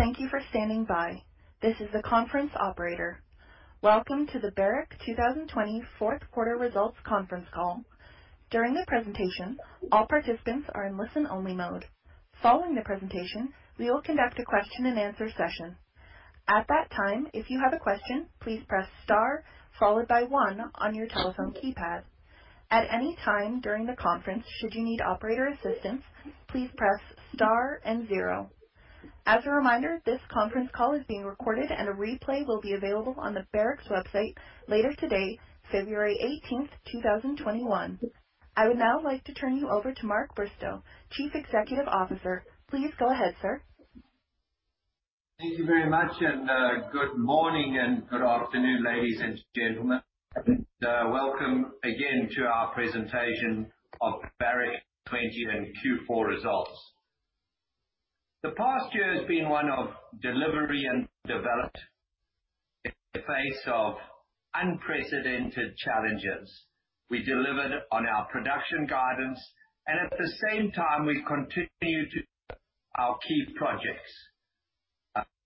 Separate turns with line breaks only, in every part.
Thank you for standing by. This is the conference operator. Welcome to the Barrick 2020 Fourth Quarter Results Conference Call. During the presentation, all participants are in listen-only mode. Following the presentation, we will conduct a question-and-answer session. At that time, if you have a question, please press star followed by one on your telephone keypad. At anytime during the conference, should you need operator assistance, please press star and zero. As a reminder, this conference call is being recorded and a replay will be available on the Barrick's website later today, February 18th, 2021. I would now like to turn you over to Mark Bristow, Chief Executive Officer. Please go ahead, sir.
Thank you very much, and good morning and good afternoon, ladies and gentlemen. Welcome again to our presentation of Barrick 2020 and Q4 results. The past year has been one of delivery and development in the face of unprecedented challenges. We delivered on our production guidance and at the same time, we continued our key projects.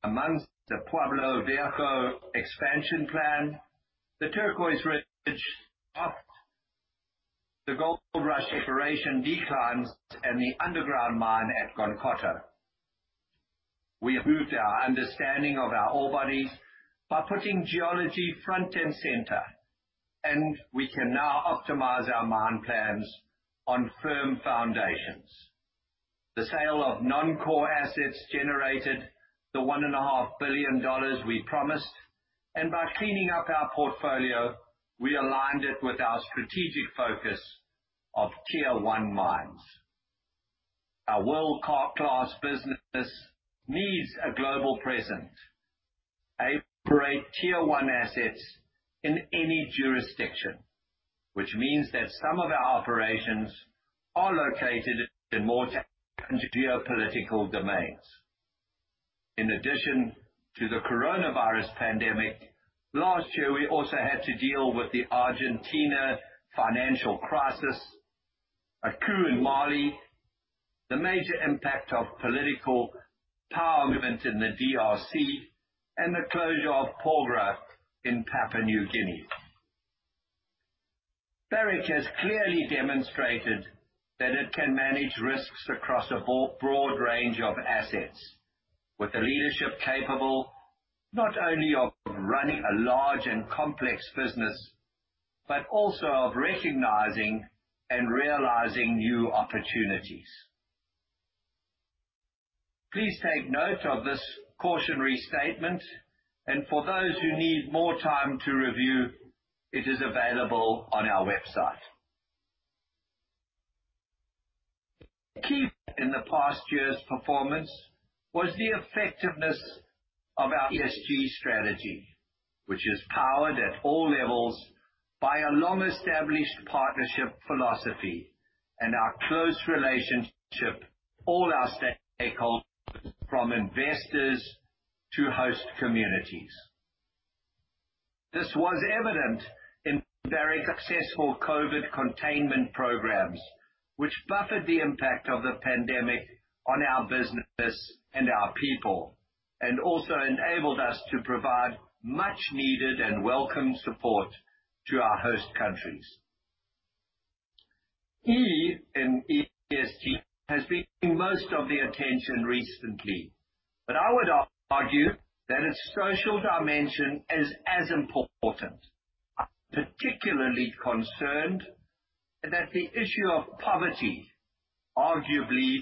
Amongst the Pueblo Viejo expansion plan, the Turquoise Ridge, the Goldrush exploration declines, and the underground mine at Gounkoto. We improved our understanding of our ore bodies by putting geology front and center, and we can now optimize our mine plans on firm foundations. The sale of non-core assets generated the $1.5 billion we promised, and by cleaning up our portfolio, we aligned it with our strategic focus of Tier One mines. Our world-class business needs a global presence, a Tier One asset in any jurisdiction, which means that some of our operations are located in more challenging geopolitical domains. In addition to the coronavirus pandemic, last year, we also had to deal with the Argentina financial crisis, a coup in Mali, the major impact of political power event in the DRC, and the closure of Porgera in Papua New Guinea. Barrick has clearly demonstrated that it can manage risks across a broad range of assets with the leadership capable not only of running a large and complex business, but also of recognizing and realizing new opportunities. Please take note of this cautionary statement, and for those who need more time to review, it is available on our website. The key in the past year's performance was the effectiveness of our ESG strategy, which is powered at all levels by a long-established partnership philosophy and our close relationship with all our stakeholders, from investors to host communities. This was evident in Barrick's successful COVID containment programs, which buffered the impact of the pandemic on our business and our people. And also enabled us to provide much needed and welcome support to our host countries. E in ESG has been getting most of the attention recently. I would argue that its social dimension is as important. I'm particularly concerned that the issue of poverty, arguably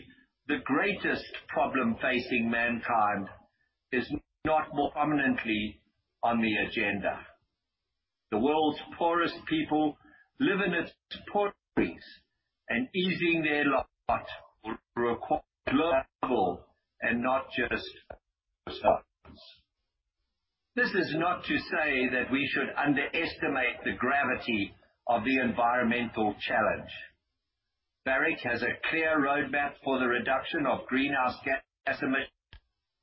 the greatest problem facing mankind, is not more prominently on the agenda. The world's poorest people live in its poorest. Easing their lot will require global and not just. This is not to say that we should underestimate the gravity of the environmental challenge. Barrick has a clear roadmap for the reduction of greenhouse gas emissions,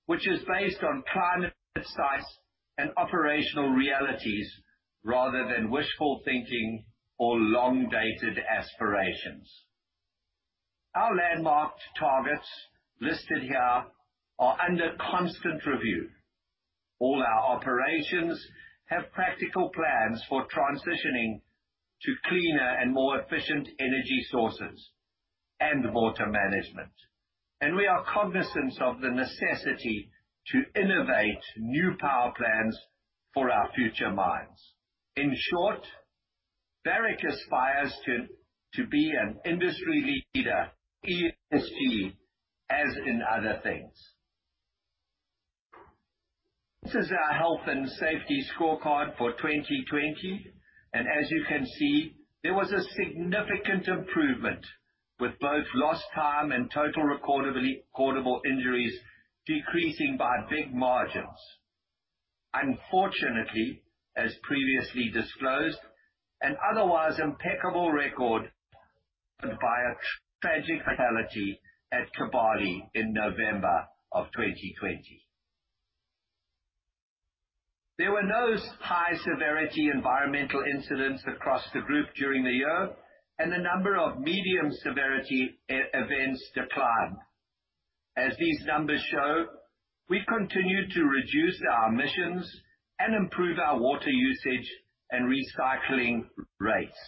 which is based on climate science and operational realities rather than wishful thinking or long-dated aspirations. Our landmarked targets listed here are under constant review. All our operations have practical plans for transitioning to cleaner and more efficient energy sources and water management, and we are cognizant of the necessity to innovate new power plans for our future mines. In short, Barrick aspires to be an industry leader in ESG, as in other things. This is our health and safety scorecard for 2020. And as you can see, there was a significant improvement with both lost time and total recordable injuries decreasing by big margins. Unfortunately, as previously disclosed, an otherwise impeccable record by a tragic fatality at Kibali in November of 2020. There were no high-severity environmental incidents across the group during the year, and the number of medium-severity events declined. As these numbers show, we continue to reduce our emissions and improve our water usage and recycling rates.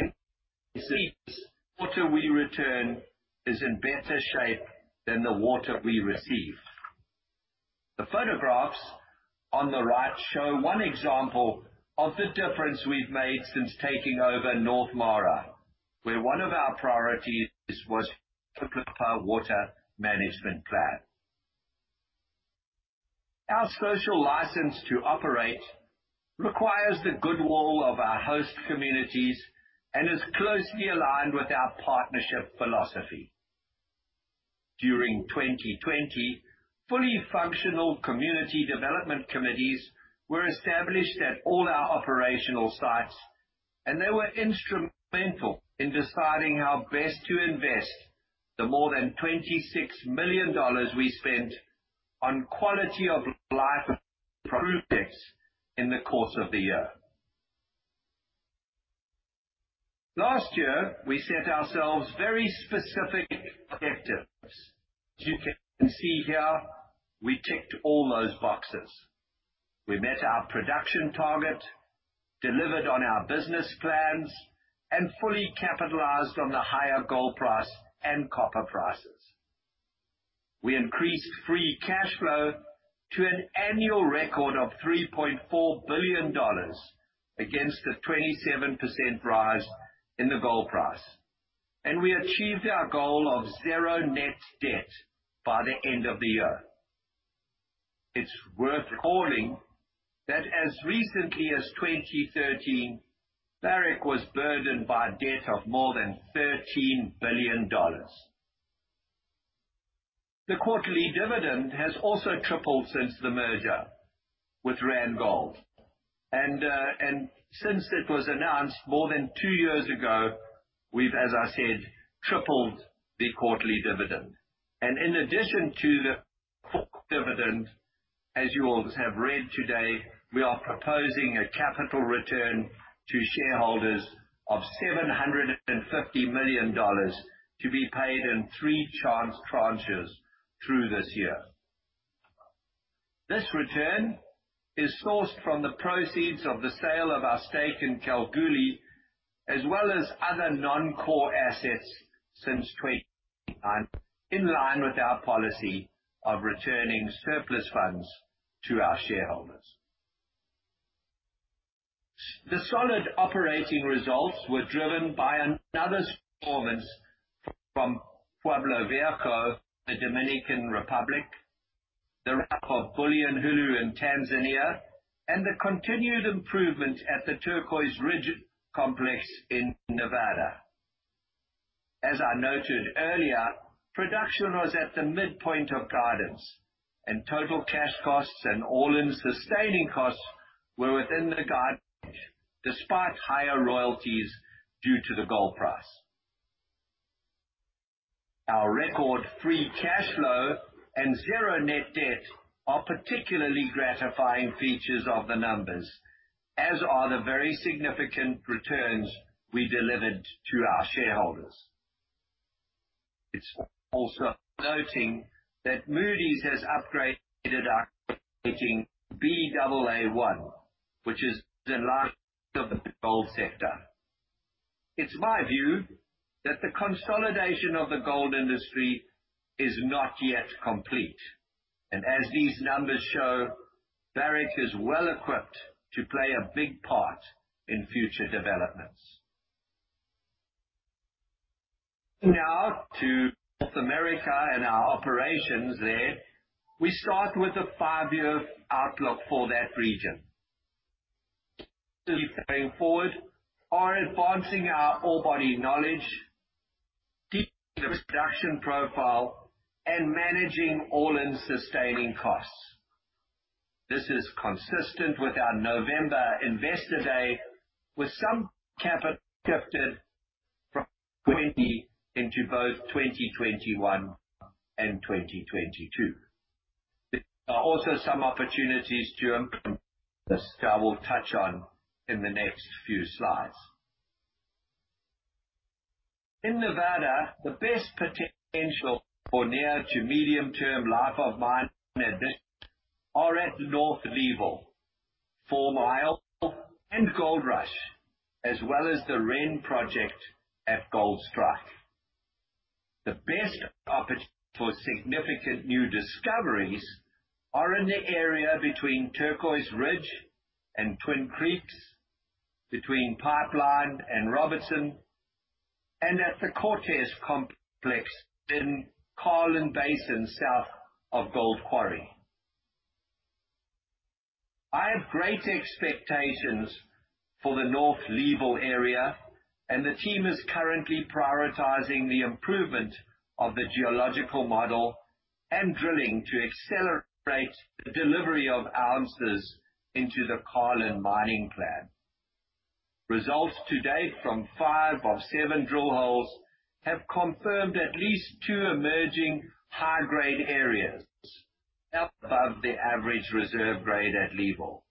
You see, the water we return is in better shape than the water we receive. The photographs on the right show one example of the difference we've made since taking over North Mara, where one of our priorities was to flip our water management plan. Our social license to operate requires the goodwill of our host communities and is closely aligned with our partnership philosophy. During 2020, fully functional community development committees were established at all our operational sites, and they were instrumental in deciding how best to invest the more than $26 million we spent on quality of life improvements in the course of the year. Last year, we set ourselves very specific objectives. As you can see here, we ticked all those boxes. We met our production target, delivered on our business plans, and fully capitalized on the higher gold price and copper prices. We increased free cash flow to an annual record of $3.4 billion against a 27% rise in the gold price, and we achieved our goal of zero net debt by the end of the year. It is worth calling that as recently as 2013, Barrick was burdened by a debt of more than $13 billion. The quarterly dividend has also tripled since the merger with Randgold. Since it was announced more than two years ago, we've, as I said, tripled the quarterly dividend. And in addition to the dividend, as you all have read today, we are proposing a capital return to shareholders of $750 million to be paid in three tranches through this year. This return is sourced from the proceeds of the sale of our stake in Kalgoorlie, as well as other non-core assets since 2021, in line with our policy of returning surplus funds to our shareholders. The solid operating results were driven by another performance from Pueblo Viejo Gold, the Dominican Republic, the ramp of Bulyanhulu in Tanzania, and the continued improvement at the Turquoise Ridge complex in Nevada. As I noted earlier, production was at the midpoint of guidance, and total cash costs and all-in sustaining costs were within the guidance despite higher royalties due to the gold price. Our record free cash flow and zero net debt are particularly gratifying features of the numbers, as are the very significant returns we delivered to our shareholders. It's also worth noting that Moody's has upgraded our rating Baa1, which is the largest in the gold sector. It's my view that the consolidation of the gold industry is not yet complete. And as these numbers show, Barrick is well-equipped to play a big part in future developments. Now to North America and our operations there. We start with a five-year outlook for that region. Going forward are advancing our ore body knowledge, deepening the production profile, and managing all-in sustaining costs. This is consistent with our November Investor Day, with some capital shifted from 2020 into both 2021 and 2022. There are also some opportunities to implement this that I will touch on in the next few slides. In Nevada, the best potential for near to medium-term life of mine advances are at the North Leeville, Fourmile, and Goldrush, as well as the REN Project at Goldstrike. The best opportunity for significant new discoveries are in the area between Turquoise Ridge and Twin Creeks, between Pipeline and Robertson, and at the Cortez complex in Carlin Basin, south of Gold Quarry. I have great expectations for the North Leeville area, and the team is currently prioritizing the improvement of the geological model and drilling to accelerate the delivery of ounces into the Carlin mining plan. Results to date from five of seven drill holes have confirmed at least two emerging high-grade areas above the average reserve grade at Leeville.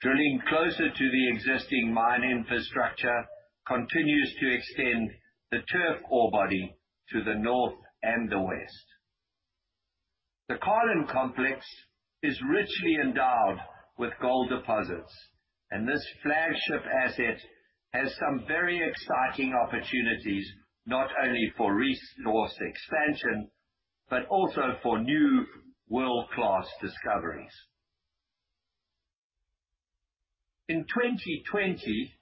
Drilling closer to the existing mine infrastructure continues to extend the Turf ore body to the north and the west. The Carlin Complex is richly endowed with gold deposits, and this flagship asset has some very exciting opportunities, not only for resource expansion, but also for new world-class discoveries. In 2020,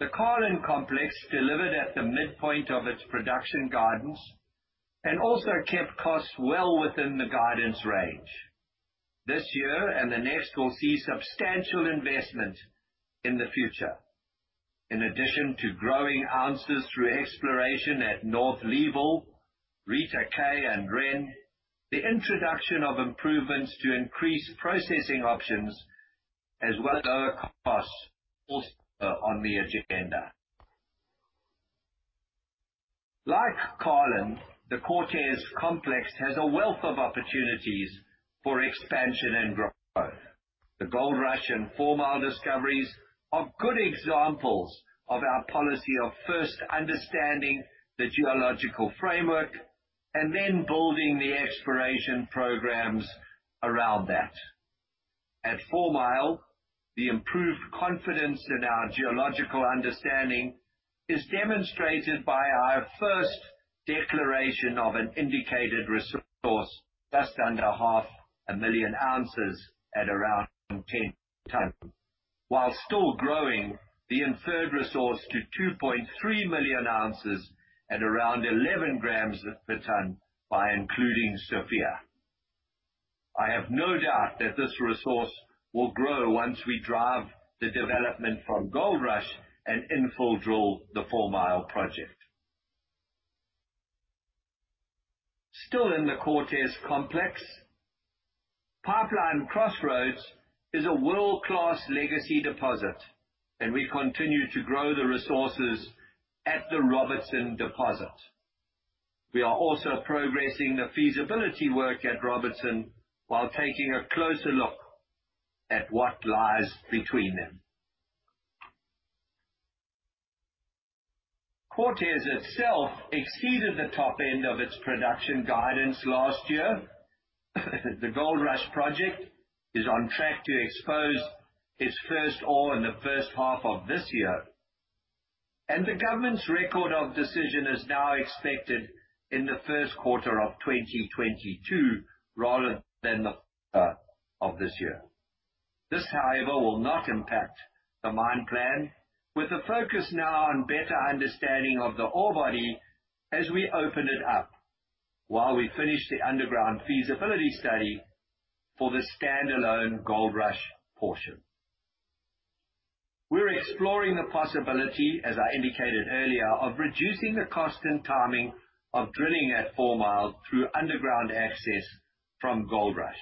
the Carlin Complex delivered at the midpoint of its production guidance and also kept costs well within the guidance range. This year and the next will see substantial investment in the future. In addition to growing ounces through exploration at North Leeville, Rita K, and REN, the introduction of improvements to increase processing options, as well as lower costs also on the agenda. Like Carlin, the Cortez Complex has a wealth of opportunities for expansion and growth. The Goldrush and Fourmile discoveries are good examples of our policy of first understanding the geological framework and then building the exploration programs around that. At Fourmile, the improved confidence in our geological understanding is demonstrated by our first declaration of an indicated resource just under 500,000 oz at around 10 ton, while still growing the inferred resource to 2.3 million oz at around 11 grams per ton by including Sophia. I have no doubt that this resource will grow once we drive the development from Goldrush and infill drill the Fourmile Project. Still in the Cortez Complex, Pipeline-Crossroads is a world-class legacy deposit. And we continue to grow the resources at the Robertson deposit. We are also progressing the feasibility work at Robertson while taking a closer look at what lies between them. Cortez itself exceeded the top end of its production guidance last year. The Goldrush Project is on track to expose its first ore in the first half of this year. And the government's record of decision is now expected in the first quarter of 2022 rather than the of this year. This, however, will not impact the mine plan, with the focus now on better understanding of the ore body as we open it up while we finish the underground feasibility study for the standalone Goldrush portion. We're exploring the possibility, as I indicated earlier, of reducing the cost and timing of drilling at Fourmile through underground access from Goldrush.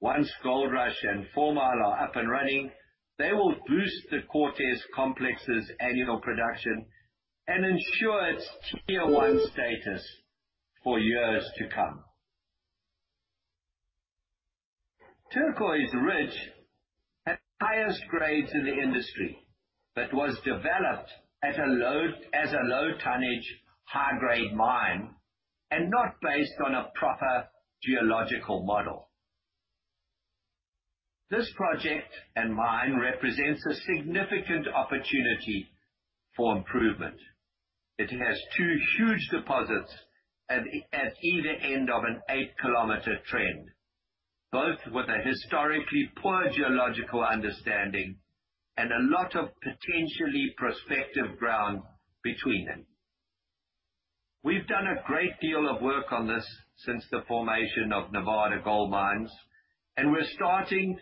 Once Goldrush and Fourmile are up and running, they will boost the Cortez Complex's annual production and ensure its Tier One status for years to come. Turquoise Ridge had the highest grades in the industry that was developed as a low tonnage, high-grade mine, and not based on a proper geological model. This project and mine represents a significant opportunity for improvement. The thing has two huge deposits at either end of an 8 km trend, both with a historically poor geological understanding and a lot of potentially prospective ground between them. We've done a great deal of work on this since the formation of Nevada Gold Mines, and we're starting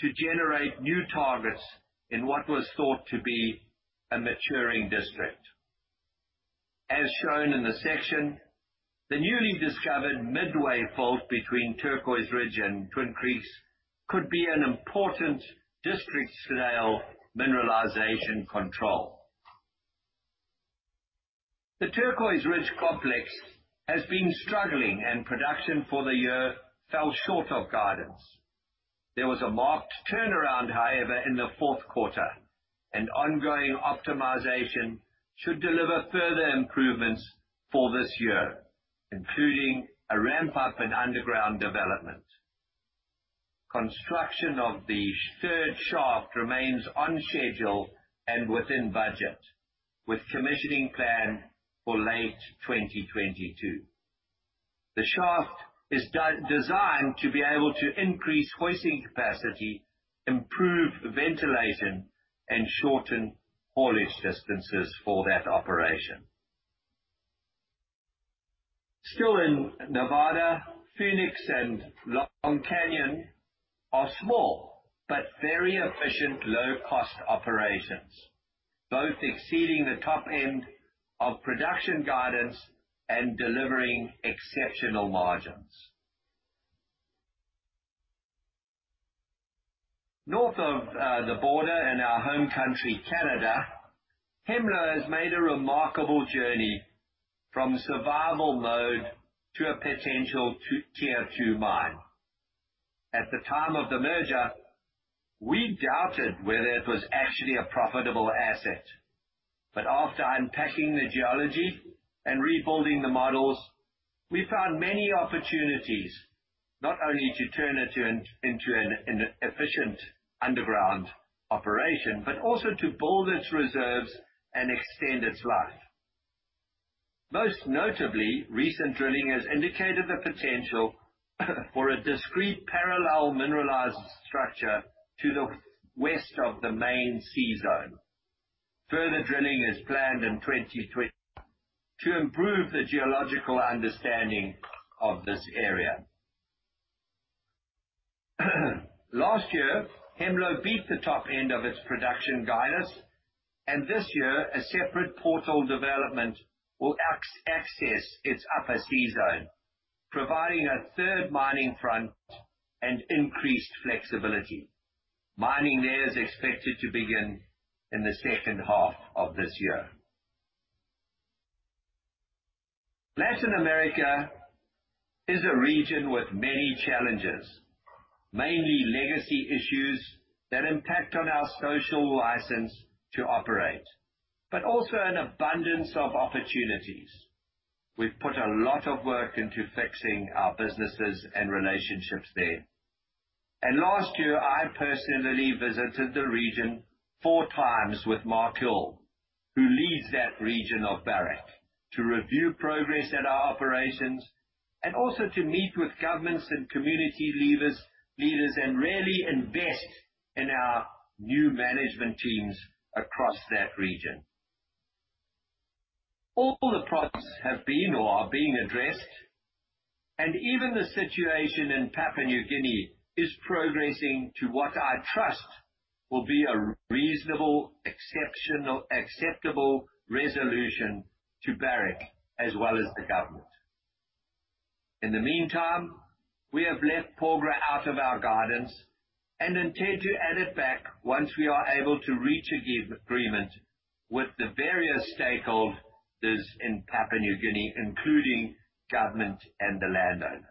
to generate new targets in what was thought to be a maturing district. As shown in the section, the newly discovered midway fault between Turquoise Ridge and Twin Creeks could be an important district-scale mineralization control. The Turquoise Ridge Complex has been struggling and production for the year fell short of guidance. There was a marked turnaround, however, in the fourth quarter, and ongoing optimization should deliver further improvements for this year, including a ramp up in underground development. Construction of the third shaft remains on schedule and within budget, with commissioning planned for late 2022. The shaft is designed to be able to increase hoisting capacity, improve ventilation, and shorten haulage distances for that operation. Still in Nevada, Phoenix and Long Canyon are small but very efficient low-cost operations, both exceeding the top end of production guidance and delivering exceptional margins. North of the border in our home country, Canada, Hemlo has made a remarkable journey from survival mode to a potential Tier Two mine. At the time of the merger, we doubted whether it was actually a profitable asset. But after unpacking the geology and rebuilding the models, we found many opportunities, not only to turn it into an efficient underground operation, but also to build its reserves and extend its life. Most notably, recent drilling has indicated the potential for a discrete parallel mineralized structure to the west of the main C-Zone. Further drilling is planned in 2023 to improve the geological understanding of this area. Last year, Hemlo beat the top end of its production guidance, and this year a separate portal development will access its upper C-Zone, providing a third mining front and increased flexibility. Mining there is expected to begin in the second half of this year. Latin America is a region with many challenges, mainly legacy issues that impact on our social license to operate, but also an abundance of opportunities. We've put a lot of work into fixing our businesses and relationships there. Last year, I personally visited the region four times with Mark Hill, who leads that region of Barrick, to review progress at our operations and also to meet with governments and community leaders, and really invest in our new management teams across that region. All the problems have been or are being addressed, and even the situation in Papua New Guinea is progressing to what I trust will be a reasonable, exceptional- acceptable resolution to Barrick as well as the government. In the meantime, we have left Porgera out of our guidance and intend to add it back once we are able to reach an agreement with the various stakeholders in Papua New Guinea, including government and the landowners.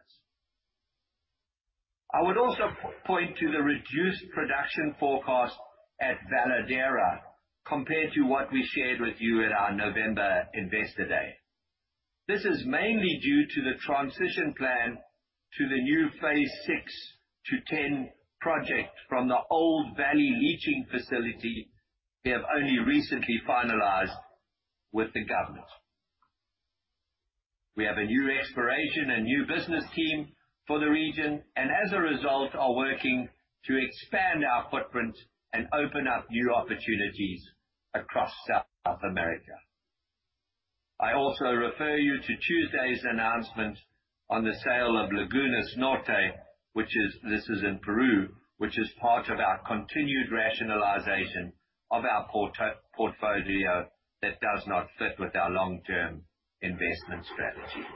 I would also point to the reduced production forecast at Veladero compared to what we shared with you at our November Investor Day. This is mainly due to the transition plan to the new Phase 6-10 project from the old valley leaching facility we have only recently finalized with the government. We have a new exploration and new business team for the region. And as a result, are working to expand our footprint and open up new opportunities across South America. I also refer you to Tuesday's announcement on the sale of Lagunas Norte, this is in Peru, which is part of our continued rationalization of our portfolio that does not fit with our long-term investment strategy.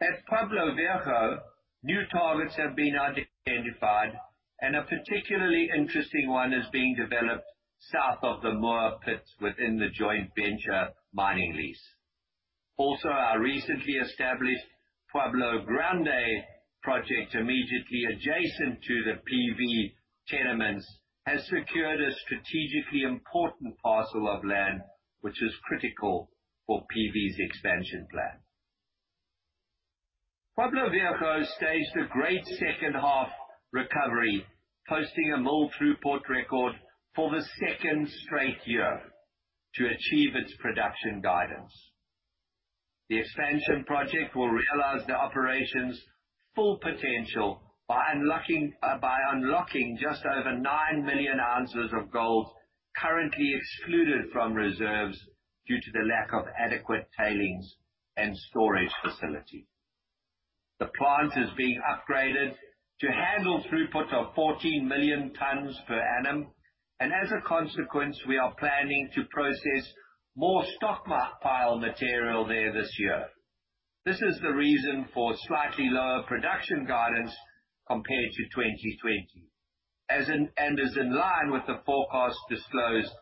At Pueblo Viejo, new targets have been identified. A particularly interesting one is being developed south of the Moore pit within the joint venture mining lease. Our recently established Pueblo Grande Project, immediately adjacent to the PV tenements, has secured a strategically important parcel of land, which is critical for PV's expansion plan. Pueblo Viejo staged a great second half recovery, posting a mill throughput record for the second straight year to achieve its production guidance. The expansion project will realize the operation's full potential by unlocking just over 9 million oz of gold currently excluded from reserves due to the lack of adequate tailings and storage facility. The plant is being upgraded to handle throughput of 14 million tonnes per annum, and as a consequence, we are planning to process more stockpile material there this year. This is the reason for slightly lower production guidance compared to 2020, and is in line with the forecast disclosed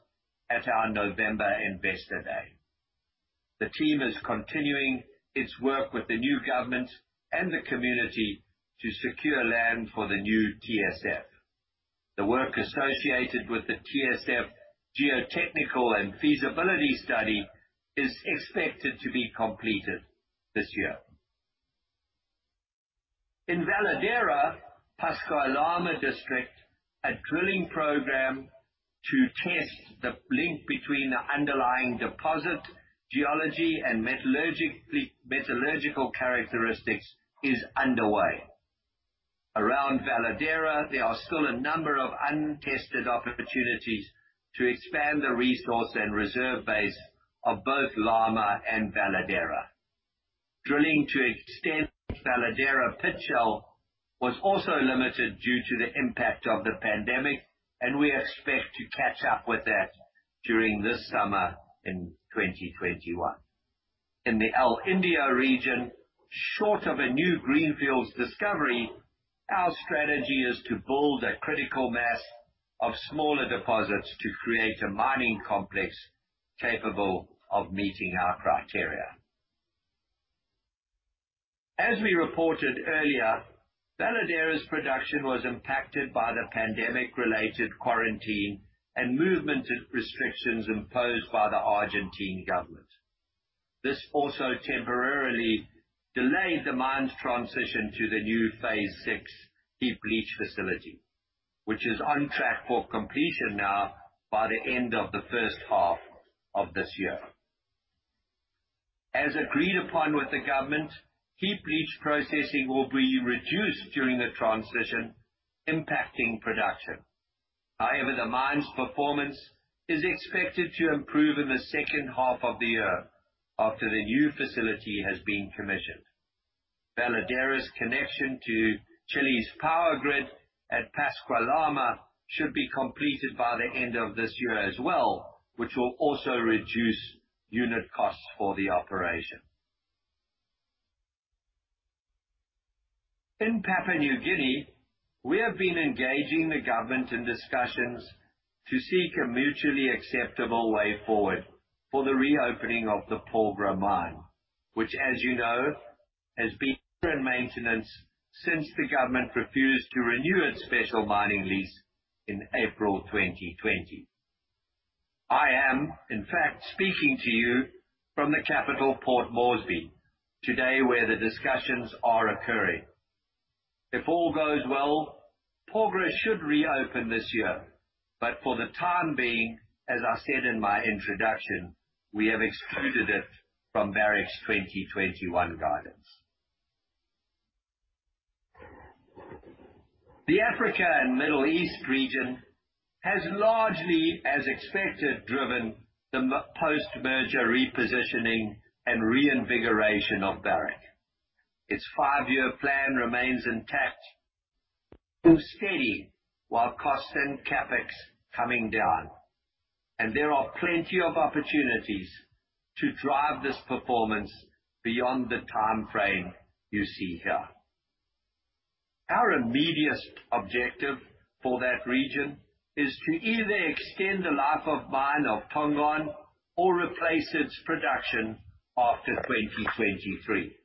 at our November Investor Day. The team is continuing its work with the new government and the community to secure land for the new TSF. The work associated with the TSF geotechnical and feasibility study is expected to be completed this year. In Veladero-Pascua Lama district, a drilling program to test the link between the underlying deposit geology and metallurgical characteristics is underway. Around Veladero, there are still a number of untested opportunities to expand the resource and reserve base of both Lama and Veladero. Drilling to extend Veladero pit shell was also limited due to the impact of the pandemic, and we expect to catch up with that during this summer in 2021. And in the El Indio region, short of a new greenfields discovery, our strategy is to build a critical mass of smaller deposits to create a mining complex capable of meeting our criteria. As we reported earlier, Veladero's production was impacted by the pandemic-related quarantine and movement restrictions imposed by the Argentine government. This also temporarily delayed the mine's transition to the new Phase 6 heap leach facility, which is on track for completion now by the end of the first half of this year. As agreed upon with the government, heap leach processing will be reduced during the transition, impacting production. However, the mine's performance is expected to improve in the second half of the year after the new facility has been commissioned. Veladero's connection to Chile's power grid at Pascua Lama should be completed by the end of this year as well, which will also reduce unit costs for the operation. In Papua New Guinea, we have been engaging the government in discussions to seek a mutually acceptable way forward for the reopening of the Porgera Mine, which as you know, has been in maintenance since the government refused to renew its special mining lease in April 2020. I am, in fact, speaking to you from the capital, Port Moresby, today, where the discussions are occurring. If all goes well, Porgera should reopen this year. But for the time being, as I said in my introduction, we have excluded it from Barrick's 2021 guidance. The Africa and Middle East region has largely, as expected, driven the post-merger repositioning and reinvigoration of Barrick. Its five-year plan remains intact, steady, while costs and CapEx coming down. And there are plenty of opportunities to drive this performance beyond the timeframe you see here. Our immediate objective for that region is to either extend the life of mine of Tongon or replace its production after 2023.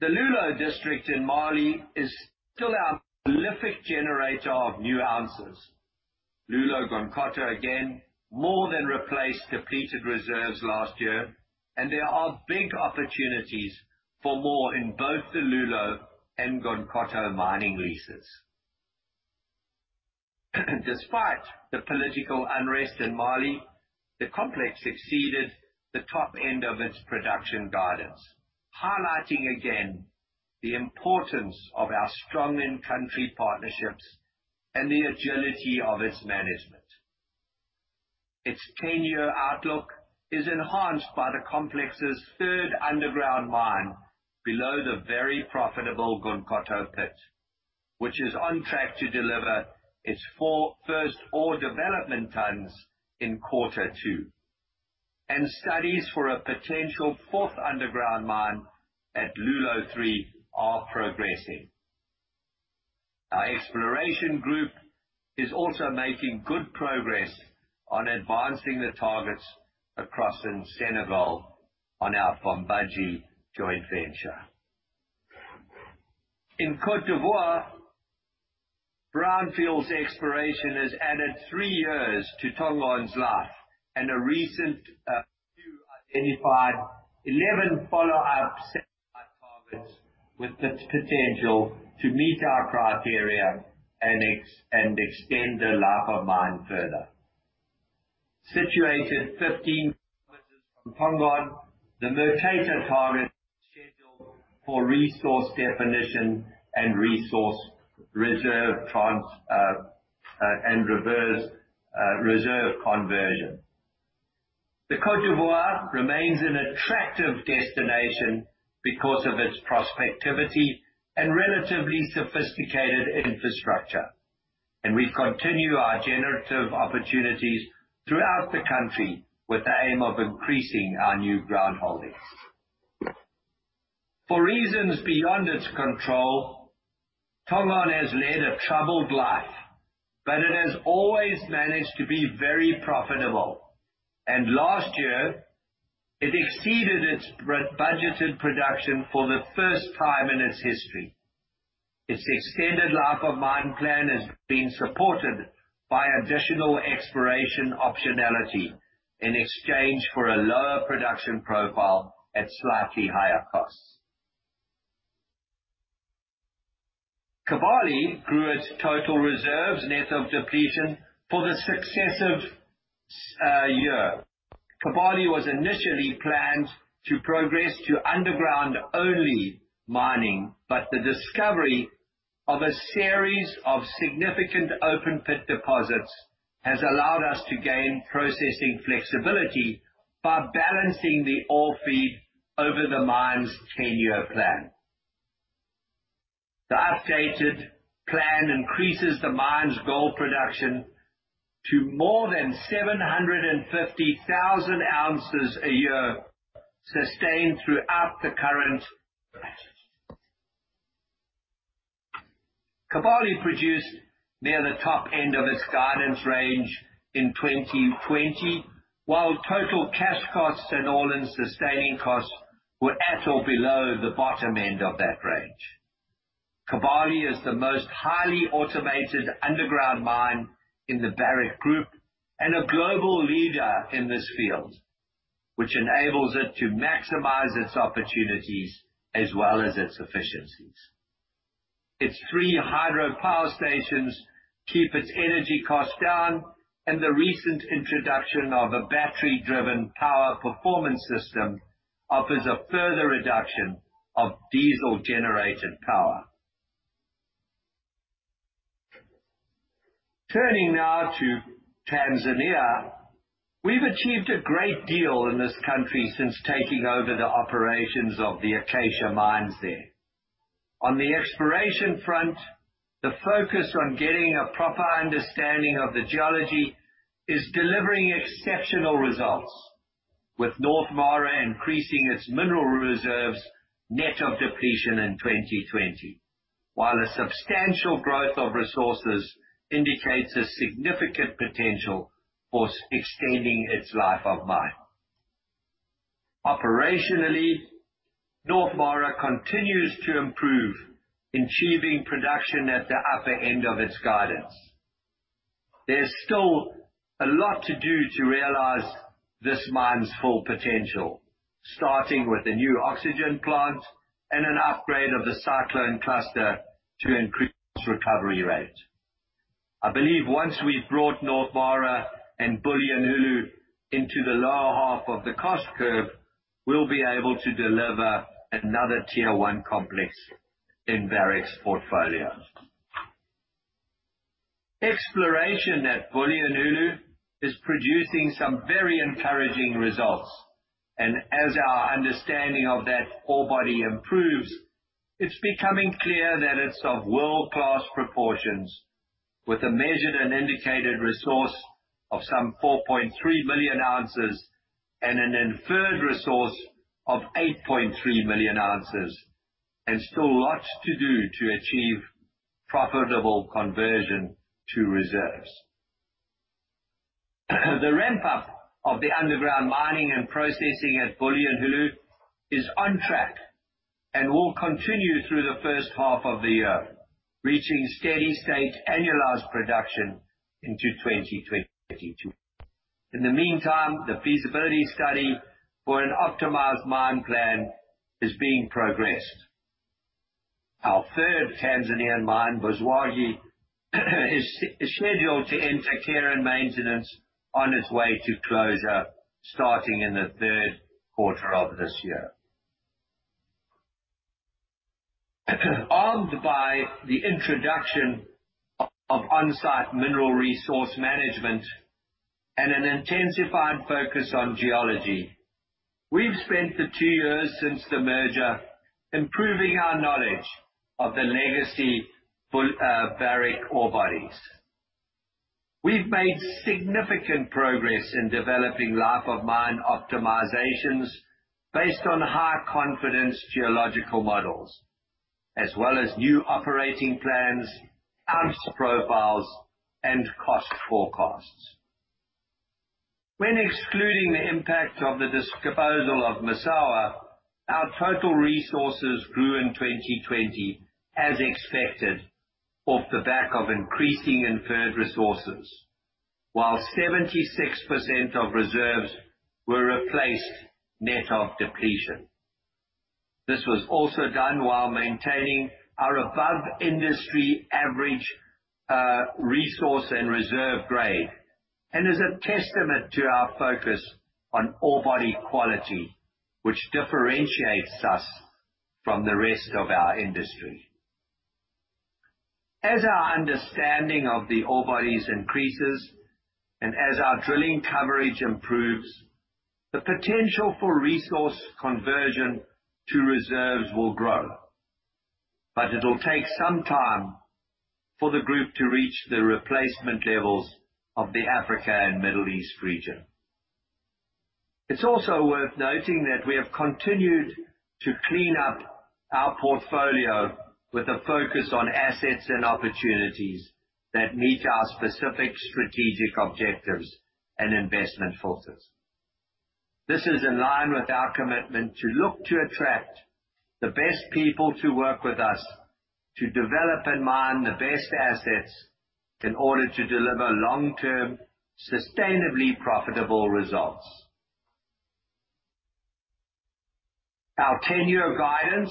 The Loulo District in Mali is still our prolific generator of new ounces. Loulo-Gounkoto, again, more than replaced depleted reserves last year, and there are big opportunities for more in both the Loulo and Gounkoto mining leases. Despite the political unrest in Mali, the complex exceeded the top end of its production guidance, highlighting again the importance of our strong in-country partnerships and the agility of its management. Its 10-year outlook is enhanced by the complex's third underground mine below the very profitable Gounkoto pit, which is on track to deliver its first ore development tonnes in quarter two. And studies for a potential fourth underground mine at Loulo 3 are progressing. Our exploration group is also making good progress on advancing the targets across in Senegal on our Bambadji joint venture. In Côte d'Ivoire, brownfields exploration has added three years to Tongon's life, and a recent review identified 11 follow-up satellite targets with the potential to meet our criteria and extend the life of mine further. Situated 15 km from Tongon, the Muteta target is scheduled for resource definition and reserve conversion. The Côte d'Ivoire remains an attractive destination because of its prospectivity and relatively sophisticated infrastructure. We continue our generative opportunities throughout the country with the aim of increasing our new ground holdings. For reasons beyond its control, Tongon has led a troubled life. It has always managed to be very profitable. And last year, it exceeded its budgeted production for the first time in its history. Its extended life of mine plan has been supported by additional exploration optionality in exchange for a lower production profile at slightly higher costs. Kibali grew its total reserves, net of depletion, for the successive year. Kibali was initially planned to progress to underground-only mining. But the discovery of a series of significant open pit deposits has allowed us to gain processing flexibility by balancing the ore feed over the mine's 10-year plan. The updated plan increases the mine's gold production to more than 750,000 oz a year, sustained throughout the current period. Kibali produced near the top end of its guidance range in 2020, while total cash costs and all-in sustaining costs were at or below the bottom end of that range. Kibali is the most highly automated underground mine in the Barrick group and a global leader in this field, which enables it to maximize its opportunities as well as its efficiencies. Its three hydropower stations keep its energy costs down, and the recent introduction of a battery-driven power performance system offers a further reduction of diesel-generated power. Turning now to Tanzania. We've achieved a great deal in this country since taking over the operations of the Acacia mines there. On the exploration front, the focus on getting a proper understanding of the geology is delivering exceptional results, with North Mara increasing its mineral reserves net of depletion in 2020, while a substantial growth of resources indicates a significant potential for extending its life of mine. Operationally, North Mara continues to improve, achieving production at the upper end of its guidance. There's still a lot to do to realize this mine's full potential, starting with a new oxygen plant and an upgrade of the cyclone cluster to increase recovery rate. I believe once we've brought North Mara and Bulyanhulu into the lower half of the cost curve, we'll be able to deliver another Tier One complex in Barrick's portfolio. Exploration at Bulyanhulu is producing some very encouraging results. As our understanding of that ore body improves, it's becoming clear that it's of world-class proportions with a measured and indicated resource of some 4.3 million oz and an inferred resource of 8.3 million oz. And still lots to do to achieve profitable conversion to reserves. The ramp up of the underground mining and processing at Bulyanhulu is on track and will continue through the first half of the year, reaching steady state annualized production into 2022. In the meantime, the feasibility study for an optimized mine plan is being progressed. Our third Tanzanian mine, Buzwagi, is scheduled to enter care and maintenance on its way to closure starting in the third quarter of this year. Armed by the introduction of on-site mineral resource management and an intensified focus on geology, we've spent the two years since the merger improving our knowledge of the legacy Barrick ore bodies. We've made significant progress in developing life of mine optimizations based on high confidence geological models as well as new operating plans, ounce profiles, and cost forecasts. When excluding the impact of the disposal of Massawa, our total resources grew in 2020 as expected off the back of increasing inferred resources, while 76% of reserves were replaced net of depletion. This was also done while maintaining our above industry average resource and reserve grade and is a testament to our focus on ore body quality, which differentiates us from the rest of our industry. As our understanding of the ore bodies increases and as our drilling coverage improves, the potential for resource conversion to reserves will grow. But it will take some time for the group to reach the replacement levels of the Africa and Middle East region. It is also worth noting that we have continued to clean up our portfolio with a focus on assets and opportunities that meet our specific strategic objectives and investment filters. This is in line with our commitment to look to attract the best people to work with us, to develop and mine the best assets in order to deliver long-term, sustainably profitable results. Our tenure guidance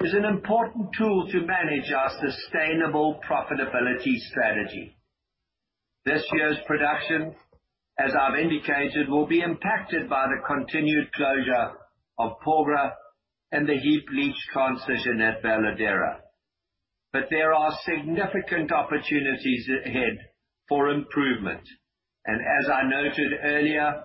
is an important tool to manage our sustainable profitability strategy. This year's production, as I have indicated, will be impacted by the continued closure of Porgera and the heap leach concession at Veladero. But there are significant opportunities ahead for improvement. As I noted earlier,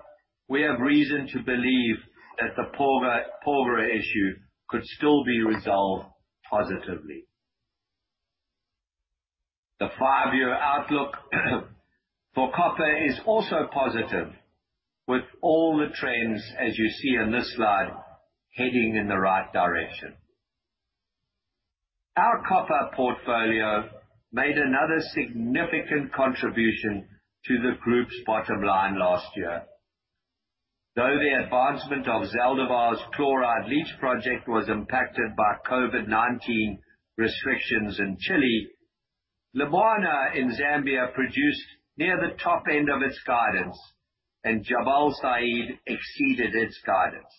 we have reason to believe that the Porgera issue could still be resolved positively. The five-year outlook for copper is also positive, with all the trends, as you see on this slide, heading in the right direction. Our copper portfolio made another significant contribution to the group's bottom line last year. Though the advancement of Zaldívar's chloride leach project was impacted by COVID-19 restrictions in Chile, Lumwana in Zambia produced near the top end of its guidance, and Jabal Sayid exceeded its guidance.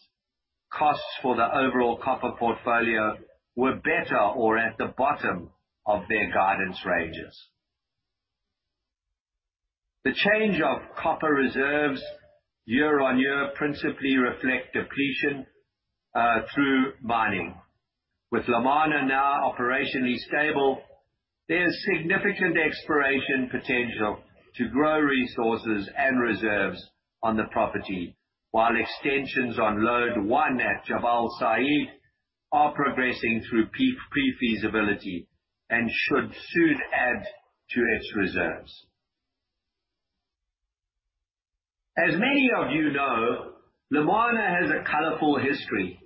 Costs for the overall copper portfolio were better or at the bottom of their guidance ranges. The change of copper reserves year-on-year principally reflect depletion through mining. With Lumwana now operationally stable, there's significant exploration potential to grow resources and reserves on the property, while extensions on Lode 1 at Jabal Sayid are progressing through pre-feasibility and should soon add to its reserves. As many of you know, Lumwana has a colorful history,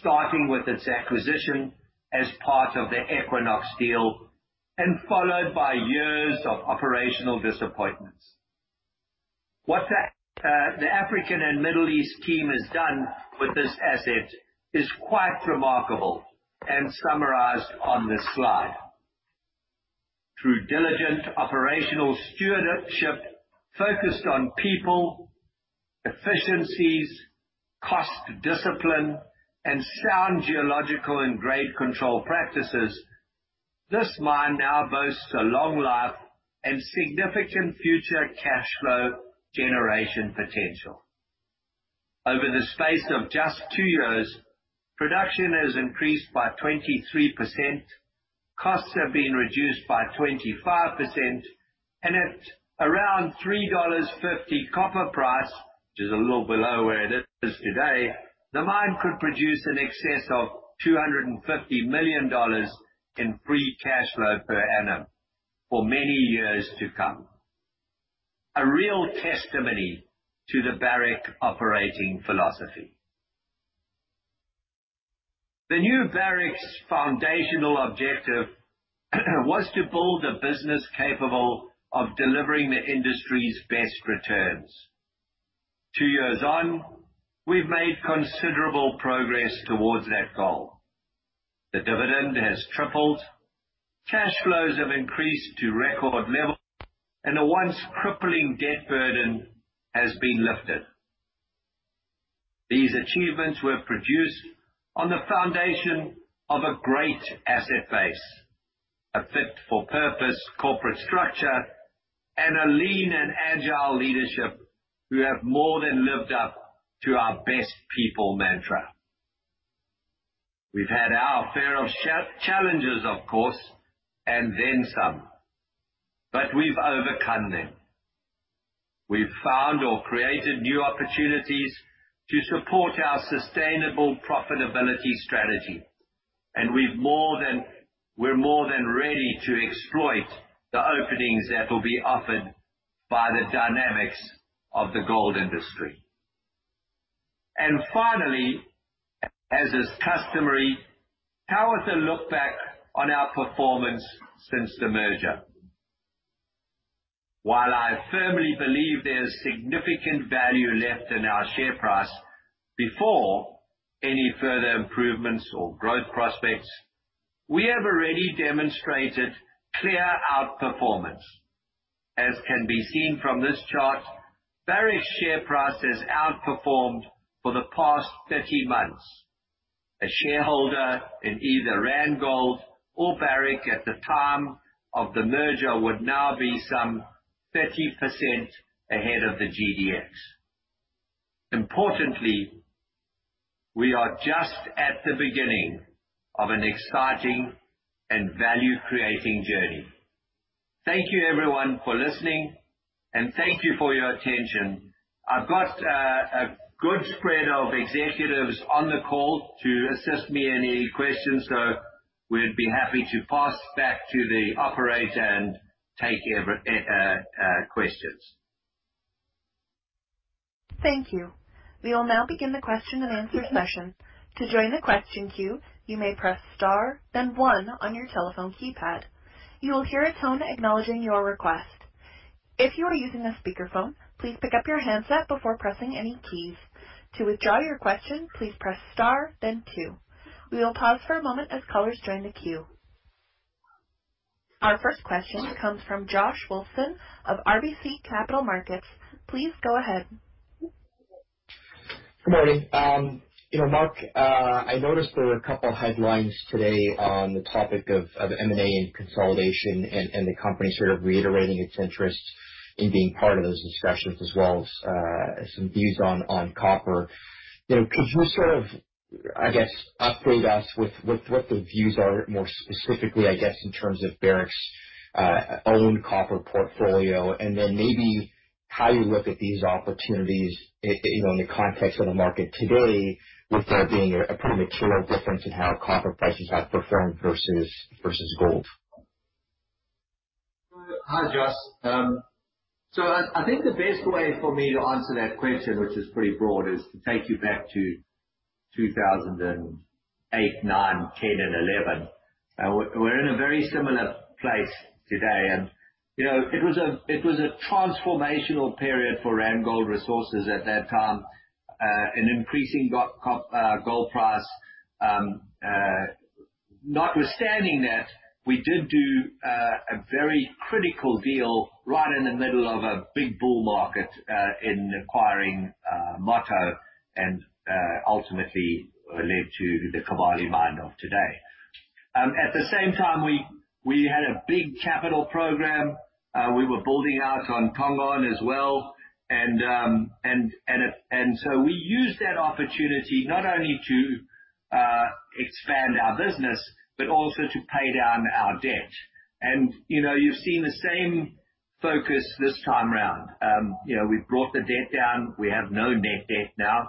starting with its acquisition as part of the Equinox deal and followed by years of operational disappointments. What the Africa and Middle East team has done with this asset is quite remarkable and summarized on this slide. Through diligent operational stewardship focused on people, efficiencies, cost discipline, and sound geological and grade control practices, this mine now boasts a long life and significant future cash flow generation potential. Over the space of just two years, production has increased by 23%, costs have been reduced by 25%, and at around $3.50 copper price, which is a little below where it is today, the mine could produce in excess of $250 million in free cash flow per annum for many years to come. A real testimony to the Barrick operating philosophy. The new Barrick's foundational objective was to build a business capable of delivering the industry's best returns. Two years on, we've made considerable progress towards that goal. The dividend has tripled, cash flows have increased to record level, and a once crippling debt burden has been lifted. These achievements were produced on the foundation of a great asset base, a fit-for-purpose corporate structure, a lean and agile leadership who have more than lived up to our best people mantra. We've had our fair of challenges, of course, and then some, but we've overcome them. We've found or created new opportunities to support our sustainable profitability strategy, and we're more than ready to exploit the openings that will be offered by the dynamics of the gold industry. And finally, as is customary, how is the look back on our performance since the merger? While I firmly believe there's significant value left in our share price before any further improvements or growth prospects, we have already demonstrated clear outperformance. As can be seen from this chart, Barrick's share price has outperformed for the past 30 months. A shareholder in either Randgold or Barrick at the time of the merger would now be some 30% ahead of the GDX. Importantly, we are just at the beginning of an exciting and value-creating journey. Thank you, everyone, for listening, and thank you for your attention. I've got a good spread of executives on the call to assist me any questions. We'd be happy to pass back to the operator and take questions.
Thank you. We will now begin the question-and-answer session. To join the question queue, you may press star then one on your telephone keypad. You will hear a tone acknowledging your request. If you are using a speakerphone, please pick up your handset before pressing any keys. To withdraw your question, please press star the two. We will pause for a moment as callers join the queue. Our first question comes from Josh Wolfson of RBC Capital Markets. Please go ahead.
Good morning. Mark, I noticed there were a couple of headlines today on the topic of M&A and consolidation and the company sort of reiterating its interest in being part of those discussions, as well as some views on copper. Could you sort of, I guess, update us with what the views are, more specifically, I guess, in terms of Barrick's own copper portfolio? And then maybe how you look at these opportunities in the context of the market today with there being a pretty material difference in how copper prices have performed versus gold.
Hi, Josh. I think the best way for me to answer that question, which is pretty broad, is to take you back to 2008, '09, '10, and '11. We're in a very similar place today. It was a transformational period for Randgold Resources at that time, an increasing gold price. Notwithstanding that, we did do a very critical deal right in the middle of a big bull market, in acquiring Moto and ultimately led to the Kibali Mine of today. At the same time, we had a big capital program. We were building out on Tongon as well. And we used that opportunity not only to expand our business, but also to pay down our debt. You've seen the same focus this time around. We've brought the debt down. We have no net debt now.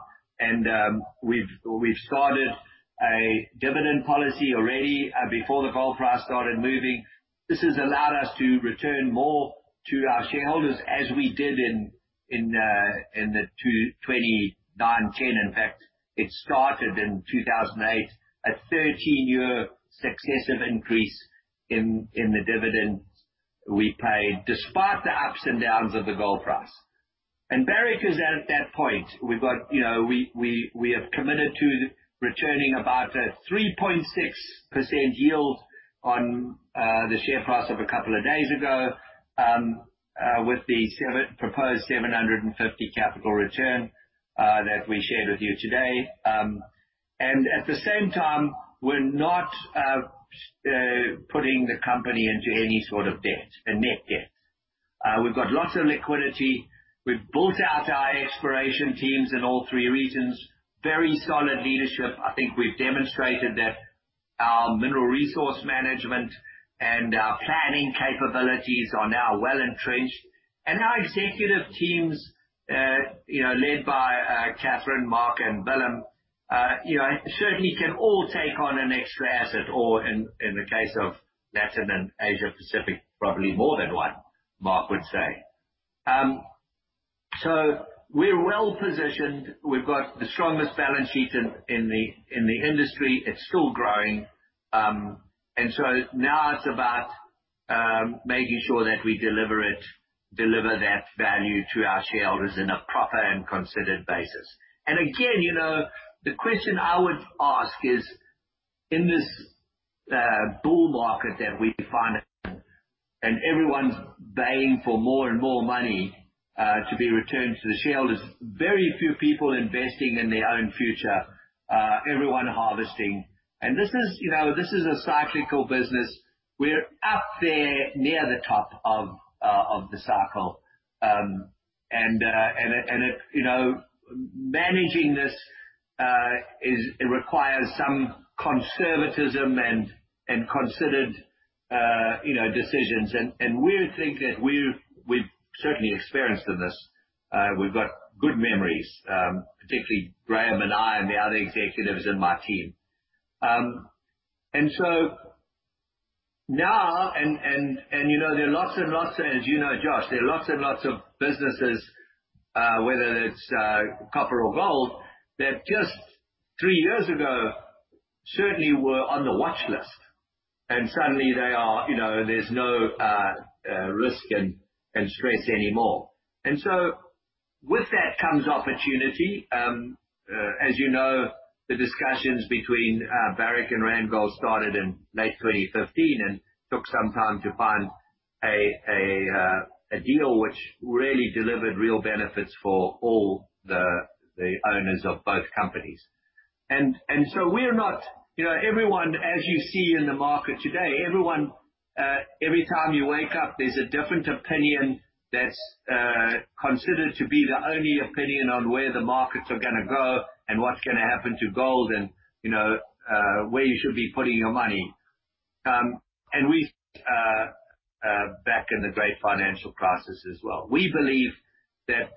We've started a dividend policy already before the gold price started moving. This has allowed us to return more to our shareholders as we did in 2009, '10. In fact, it started in 2008, a 13-year successive increase in the dividends we paid despite the ups and downs of the gold price. And Barrick is at that point. We have committed to returning about a 3.6% yield on the share price of a couple of days ago with the proposed $750 capital return that we shared with you today. At the same time, we're not putting the company into any sort of debt, a net debt. We've got lots of liquidity. We've built out our exploration teams in all three regions. Very solid leadership. I think we've demonstrated that our mineral resource management and our planning capabilities are now well-entrenched. And our executive teams led by Catherine, Mark, and Willem certainly can all take on an extra asset or in the case of Latin and Asia Pacific, probably more than one, Mark would say. We're well-positioned. We've got the strongest balance sheet in the industry. It's still growing. And so, now it's about making sure that we deliver that value to our shareholders in a proper and considered basis. Again, the question I would ask is, in this bull market that we find and everyone's baying for more and more money to be returned to the shareholders, very few people investing in their own future. Everyone harvesting. And this is a cyclical business. We're up there near the top of the cycle. Managing this requires some conservatism and considered decisions. We think that we've certainly experienced in this, we've got good memories, particularly Graham and I and the other executives in my team. Now, there are lots and lots, as you know, Josh, there are lots and lots of businesses, whether it's copper or gold, that just three years ago certainly were on the watch list, and suddenly there's no risk and stress anymore. With that comes opportunity. As you know, the discussions between Barrick and Randgold started in late 2015 and took some time to find a deal which really delivered real benefits for all the owners of both companies. We are not, everyone, as you see in the market today, everyone, every time you wake up, there's a different opinion that's considered to be the only opinion on where the markets are gonna go and what's gonna happen to gold and where you should be putting your money. We, back in the great financial crisis as well. We believe that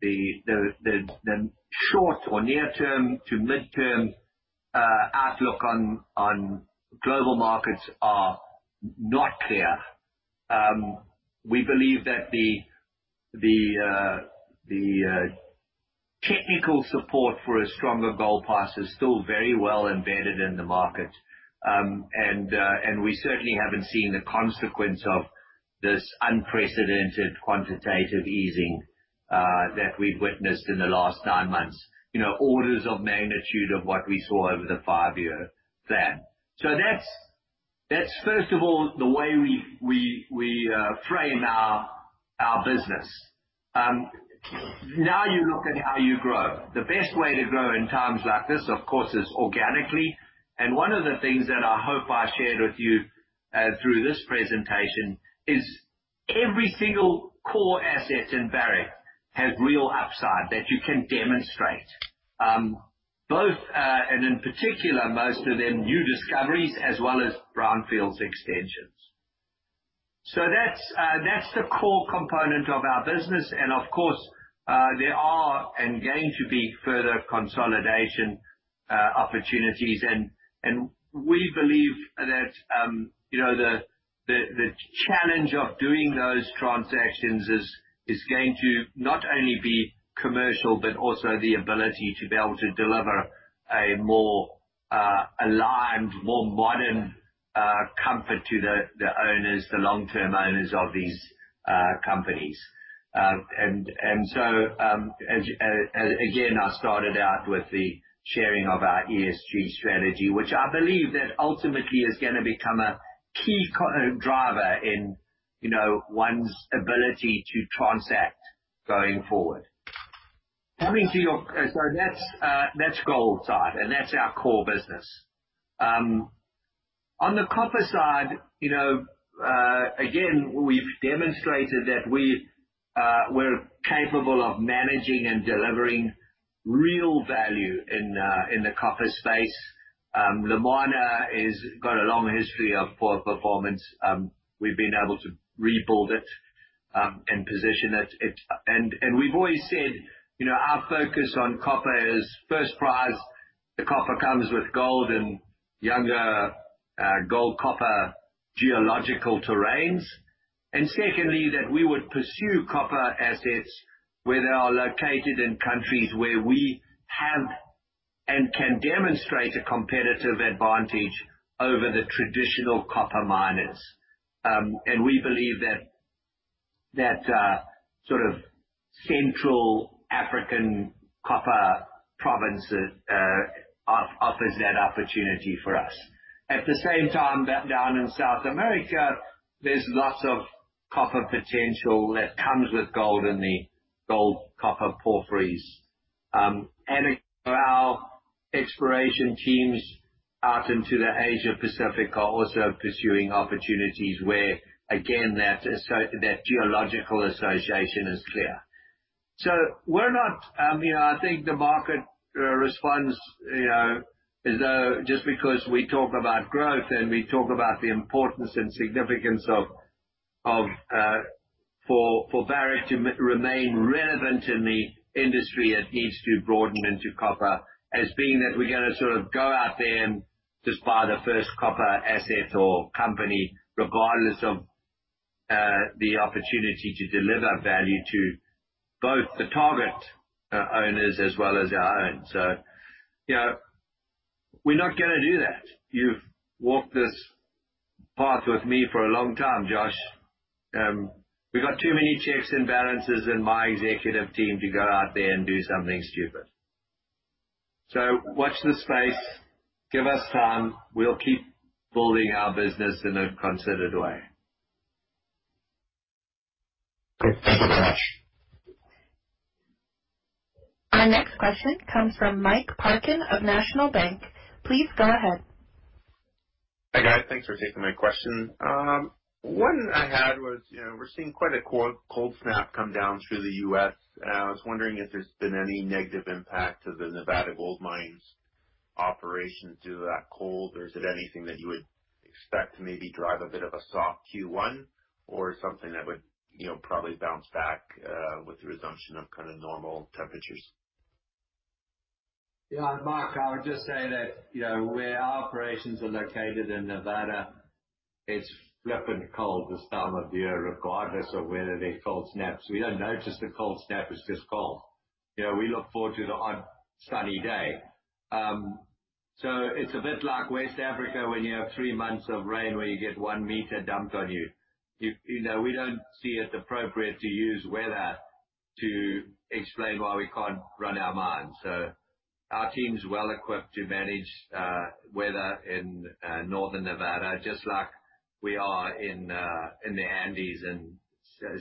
the short or near term to midterm outlook on global markets are not clear. We believe that the technical support for a stronger gold price is still very well embedded in the market. We certainly haven't seen the consequence of this unprecedented quantitative easing that we've witnessed in the last nine months. Orders of magnitude of what we saw over the five-year plan. That's first of all, the way we frame our business. Now you look at how you grow. The best way to grow in times like this, of course, is organically. One of the things that I hope I shared with you through this presentation is every single core asset in Barrick has real upside that you can demonstrate. Both, and in particular, most of them new discoveries, as well as brownfields extensions. That's the core component of our business, and of course, there are, and going to be further consolidation opportunities. And we believe that the challenge of doing those transactions is going to not only be commercial, but also the ability to be able to deliver a more aligned, more modern comfort to the owners, the long-term owners of these companies. Again, I started out with the sharing of our ESG strategy, which I believe that ultimately is gonna become a key driver in one's ability to transact going forward. Having- sorry, that's gold side, and that's our core business. On the copper side, again, we've demonstrated that we're capable of managing and delivering real value in the copper space. Lumwana has got a long history of poor performance. We've been able to rebuild it and position it. We've always said our focus on copper is first prize, the copper comes with gold and younger gold copper geological terrains. Secondly, that we would pursue copper assets where they are located in countries where we have and can demonstrate a competitive advantage over the traditional copper miners. And we believe that sort of Central African copper provinces offers that opportunity for us. At the same time, down in South America, there's lots of copper potential that comes with gold in the gold copper porphyries. Our exploration teams out into the Asia-Pacific are also pursuing opportunities where, again, that geological association is clear. So we're not, you know, I think the market responds as though just because we talk about growth and we talk about the importance and significance for Barrick to remain relevant in the industry, it needs to broaden into copper as being that we're gonna sort of go out there and just buy the first copper asset or company, regardless of the opportunity to deliver value to both the target owners as well as our own. We're not gonna do that. You've walked this path with me for a long time, Josh. We've got too many checks and balances in my executive team to go out there and do something stupid. Watch this space. Give us time. We'll keep building our business in a considered way.
Good. Thank you very much.
Our next question comes from Mike Parkin of National Bank. Please go ahead.
Hi, guys. Thanks for taking my question. One I had was, we're seeing quite a cold snap come down through the U.S., and I was wondering if there's been any negative impact to the Nevada Gold Mines operations due to that cold, or is it anything that you would expect to maybe drive a bit of a soft Q1 or something that would probably bounce back with the resumption of kind of normal temperatures?
Mike, I would just say that where our operations are located in Nevada, it's flipping cold this time of year, regardless of whether there are cold snaps. We don't notice the cold snap. It's just cold. We look forward to the odd sunny day. It's a bit like West Africa when you have three months of rain where you get one meter dumped on you. We don't see it appropriate to use weather to explain why we can't run our mines. Our team's well-equipped to manage weather in northern Nevada, just like we are in the Andes in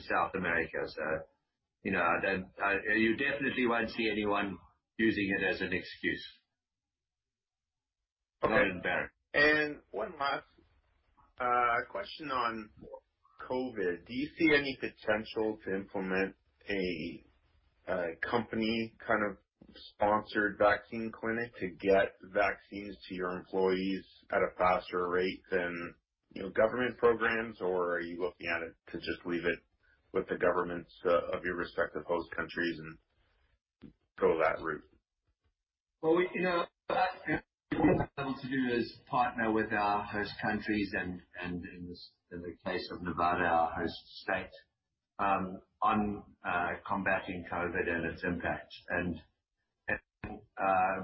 South America. You definitely won't see anyone using it as an excuse. Not in Barrick.
One last question on COVID. Do you see any potential to implement a company kind of sponsored vaccine clinic to get vaccines to your employees at a faster rate than government programs? Or are you looking at it to just leave it with the governments of your respective host countries and go that route?
Well, what we've been able to do is partner with our host countries and, in the case of Nevada, our host state, on combating COVID and its impact.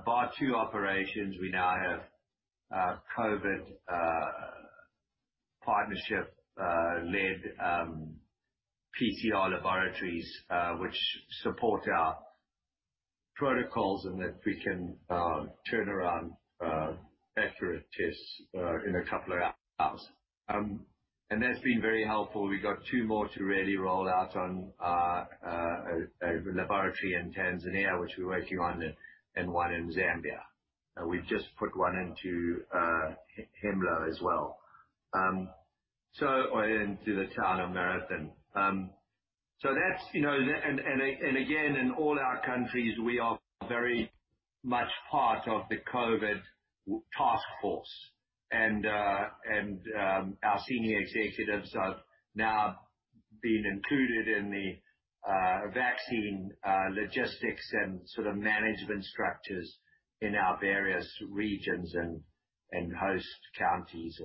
Bar two operations, we now have COVID partnership-led PCR laboratories which support our protocols and that we can turn around accurate tests in a couple of hours. And that's been very helpful. We've got two more to really roll out on a laboratory in Tanzania, which we're working on, and one in Zambia. We've just put one into Hemlo as well. Into the town of Marathon. And again, in all our countries, we are very much part of the COVID task force. Our senior executives have now been included in the vaccine logistics and sort of management structures in our various regions and host counties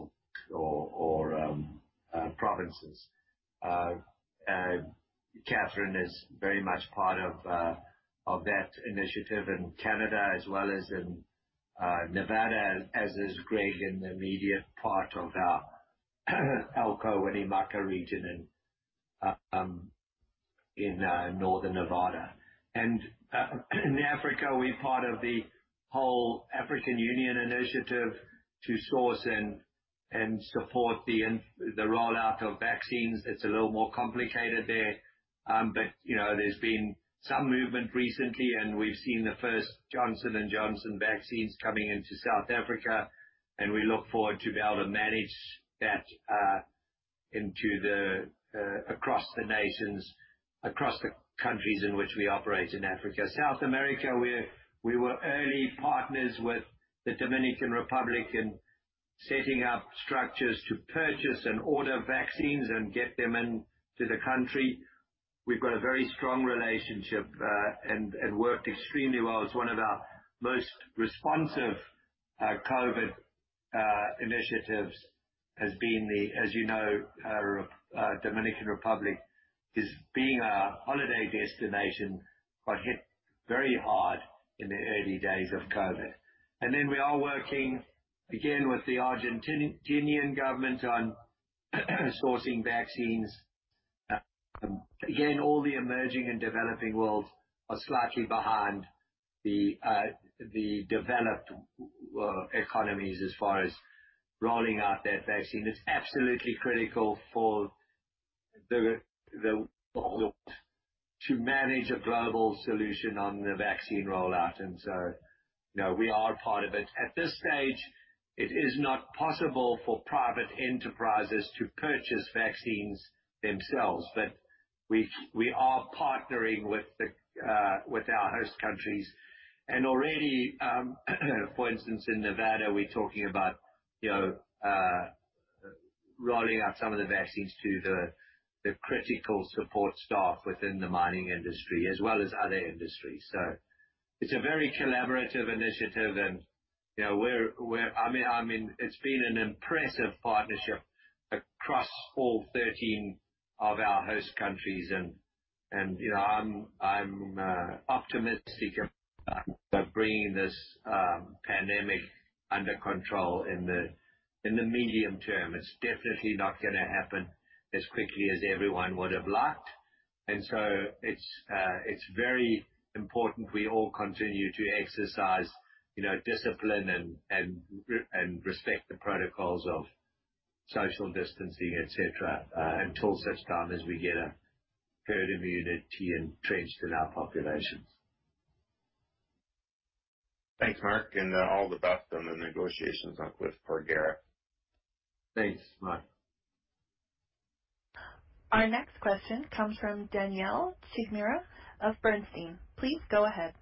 or provinces. Catherine is very much part of that initiative in Canada as well as in Nevada, as is Greg in the immediate part of the Elko-Winnemucca region in Northern Nevada. And in Africa, we're part of the whole African Union initiative to source and support the rollout of vaccines. It's a little more complicated there. There's been some movement recently, and we've seen the first Johnson & Johnson vaccines coming into South Africa, and we look forward to be able to manage that across the nations, across the countries in which we operate in Africa. South America, we were early partners with the Dominican Republic in setting up structures to purchase and order vaccines and get them into the country. We've got a very strong relationship, worked extremely well as one of our most responsive COVID initiatives has been the, as you know, Dominican Republic is being a holiday destination, got hit very hard in the early days of COVID. And then, we are working again with the Argentinian government on sourcing vaccines. Again, all the emerging and developing worlds are slightly behind the developed economies as far as rolling out that vaccine. It's absolutely critical for the world to manage a global solution on the vaccine rollout, we are part of it. At this stage, it is not possible for private enterprises to purchase vaccines themselves. But we are partnering with our host countries. And already, for instance, in Nevada, we're talking about rolling out some of the vaccines to the critical support staff within the mining industry as well as other industries. It's a very collaborative initiative, and it's been an impressive partnership across all 13 of our host countries. And I'm optimistic about bringing this pandemic under control in the medium term. It's definitely not gonna happen as quickly as everyone would have liked. It's very important we all continue to exercise discipline and respect the protocols of social distancing, et cetera, until such time as we get a herd immunity entrenched in our populations.
Thanks, Mark, and all the best on the negotiations with Porgera.
Thanks, Mike.
Our next question comes from Danielle Chigumira of Bernstein. Please go ahead.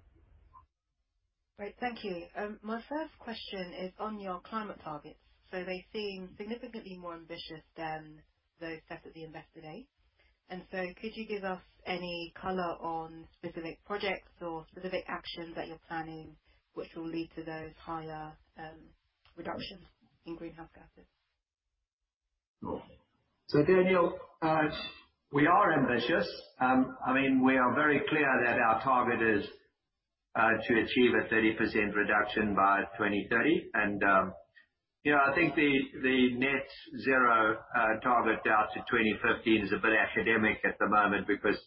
Great. Thank you. My first question is on your climate targets. They seem significantly more ambitious than those set at the Investor Day. And so, could you give us any color on specific projects or specific actions that you're planning which will lead to those higher reductions in greenhouse gases?
Sure. So, Danielle, we are ambitious. I mean, we are very clear that our target is to achieve a 30% reduction by 2030. And you know, I think the net zero target down in 2030 is a bit academic at the moment because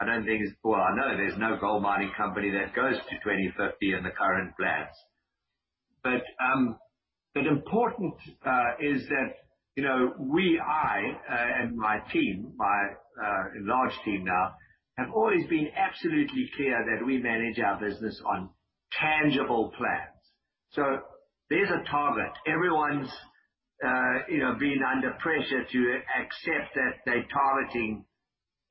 I don't think its- well, I know there's no gold mining company that goes to 2050 in the current plans. Important is that we, I and my team, my large team now, have always been absolutely clear that we manage our business on tangible plans. There's a target. Everyone's been under pressure to accept that they're targeting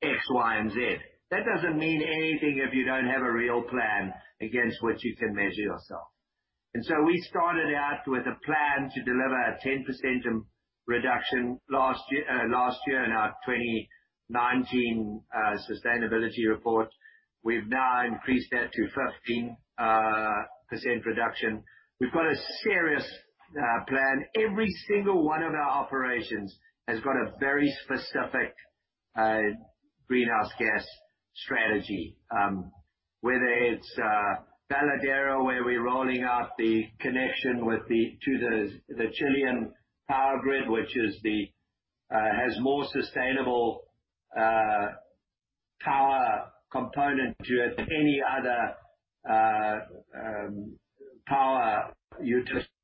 X, Y, and Z. That doesn't mean anything if you don't have a real plan against which you can measure yourself. We started out with a plan to deliver a 10% reduction last year, last year in our 2019 sustainability report. We've now increased that to 15% reduction. We've got a serious plan. Every single one of our operations has got a very specific greenhouse gas strategy, whether it's Veladero where we're rolling out the connection to the Chilean power grid, which is the, has more sustainable power component to it than any other power utility.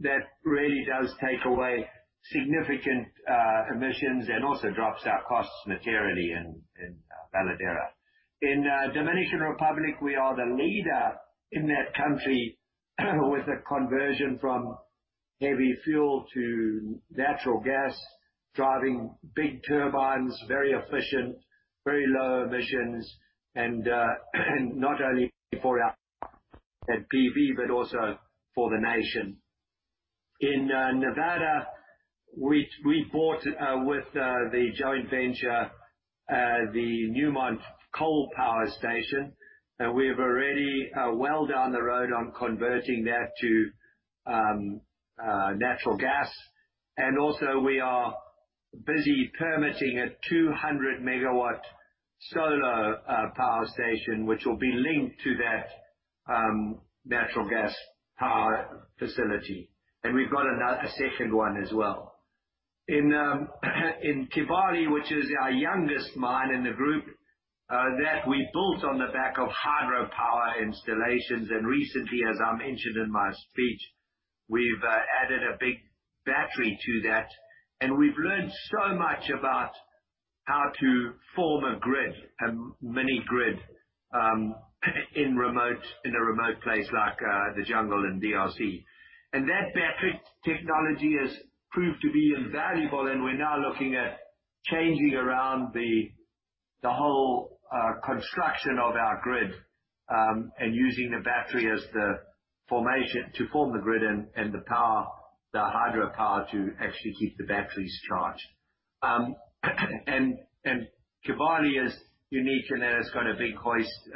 That really does take away significant emissions and also drops our costs materially in Veladero. In Dominican Republic, we are the leader in that country with the conversion from heavy fuel to natural gas, driving big turbines, very efficient, very low emissions, and not only for our PV, but also for the nation. In Nevada, we bought, with the joint venture, the Newmont coal power station. We're already well down the road on converting that to natural gas. And also we are busy permitting a 200 MW solar power station, which will be linked to that natural gas power facility. And we've got a second one as well. In Kibali, which is our youngest mine in the group, that we built on the back of hydropower installations, and recently, as I mentioned in my speech, we've added a big battery to that, and we've learned so much about how to form a grid, a mini grid, in a remote place like the jungle in DRC. That battery technology has proved to be invaluable, and we're now looking at changing around the whole construction of our grid and using the battery to form the grid and the hydropower to actually keep the batteries charged. Kibali is unique in that it's got a big hoist,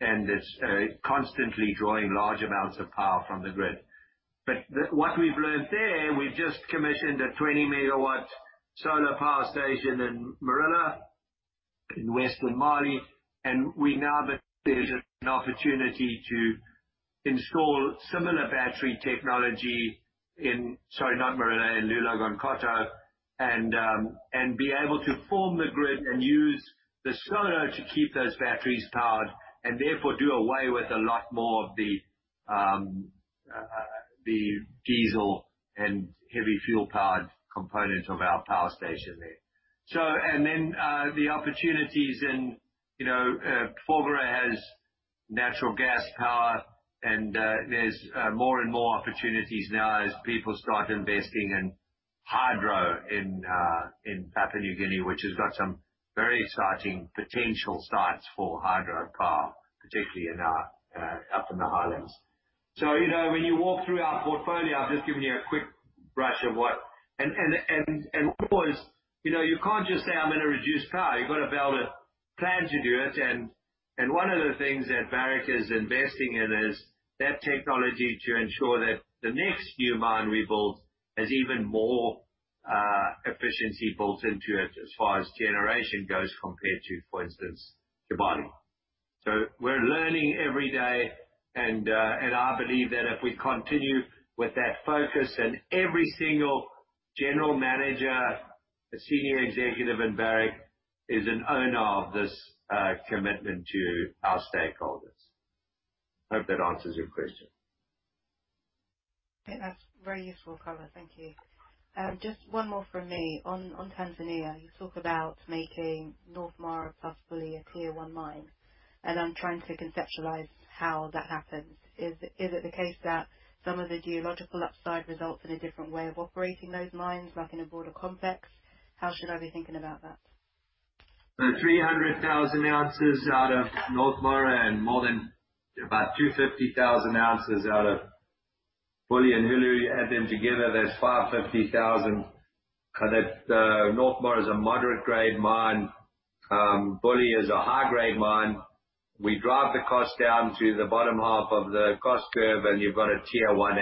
and it's constantly drawing large amounts of power from the grid. What we've learned there, we just commissioned a 20 MW solar power station in Morila, in western Mali, and we know that there's an opportunity to install similar battery technology in, sorry, not Morila, in Loulo-Gounkoto, and be able to firm the grid and use the solar to keep those batteries powered, and therefore do away with a lot more of the diesel and heavy fuel-powered component of our power station there. The opportunities in, Porgera has natural gas power, and there's more and more opportunities now as people start investing in hydro in Papua New Guinea, which has got some very exciting potential sites for hydro power, particularly up in the Highlands. When you walk through our portfolio, I've just given you a quick brush. Of course, you can't just say, "I'm gonna reduce power." You've got to be able to plan to do it. One of the things that Barrick is investing in is that technology to ensure that the next new mine we build has even more efficiency built into it as far as generation goes compared to, for instance, Kibali. We're learning every day, and I believe that if we continue with that focus, and every single general manager, senior executive in Barrick is an owner of this commitment to our stakeholders. Hope that answers your question.
I think that's very useful color. Thank you. Just one more from me. On Tanzania, you talk about making North Mara possibly a Tier One mine, I'm trying to conceptualize how that happens. Is it the case that some of the geological upside results in a different way of operating those mines, like in a broader complex? How should I be thinking about that?
The 300,000 oz out of North Mara and more than about 250,000 oz out of Bulyanhulu, add them together, that's 550,000 oz. North Mara is a moderate-grade mine. Buly is a high-grade mine. We drive the cost down to the bottom half of the cost curve, and you've got a Tier One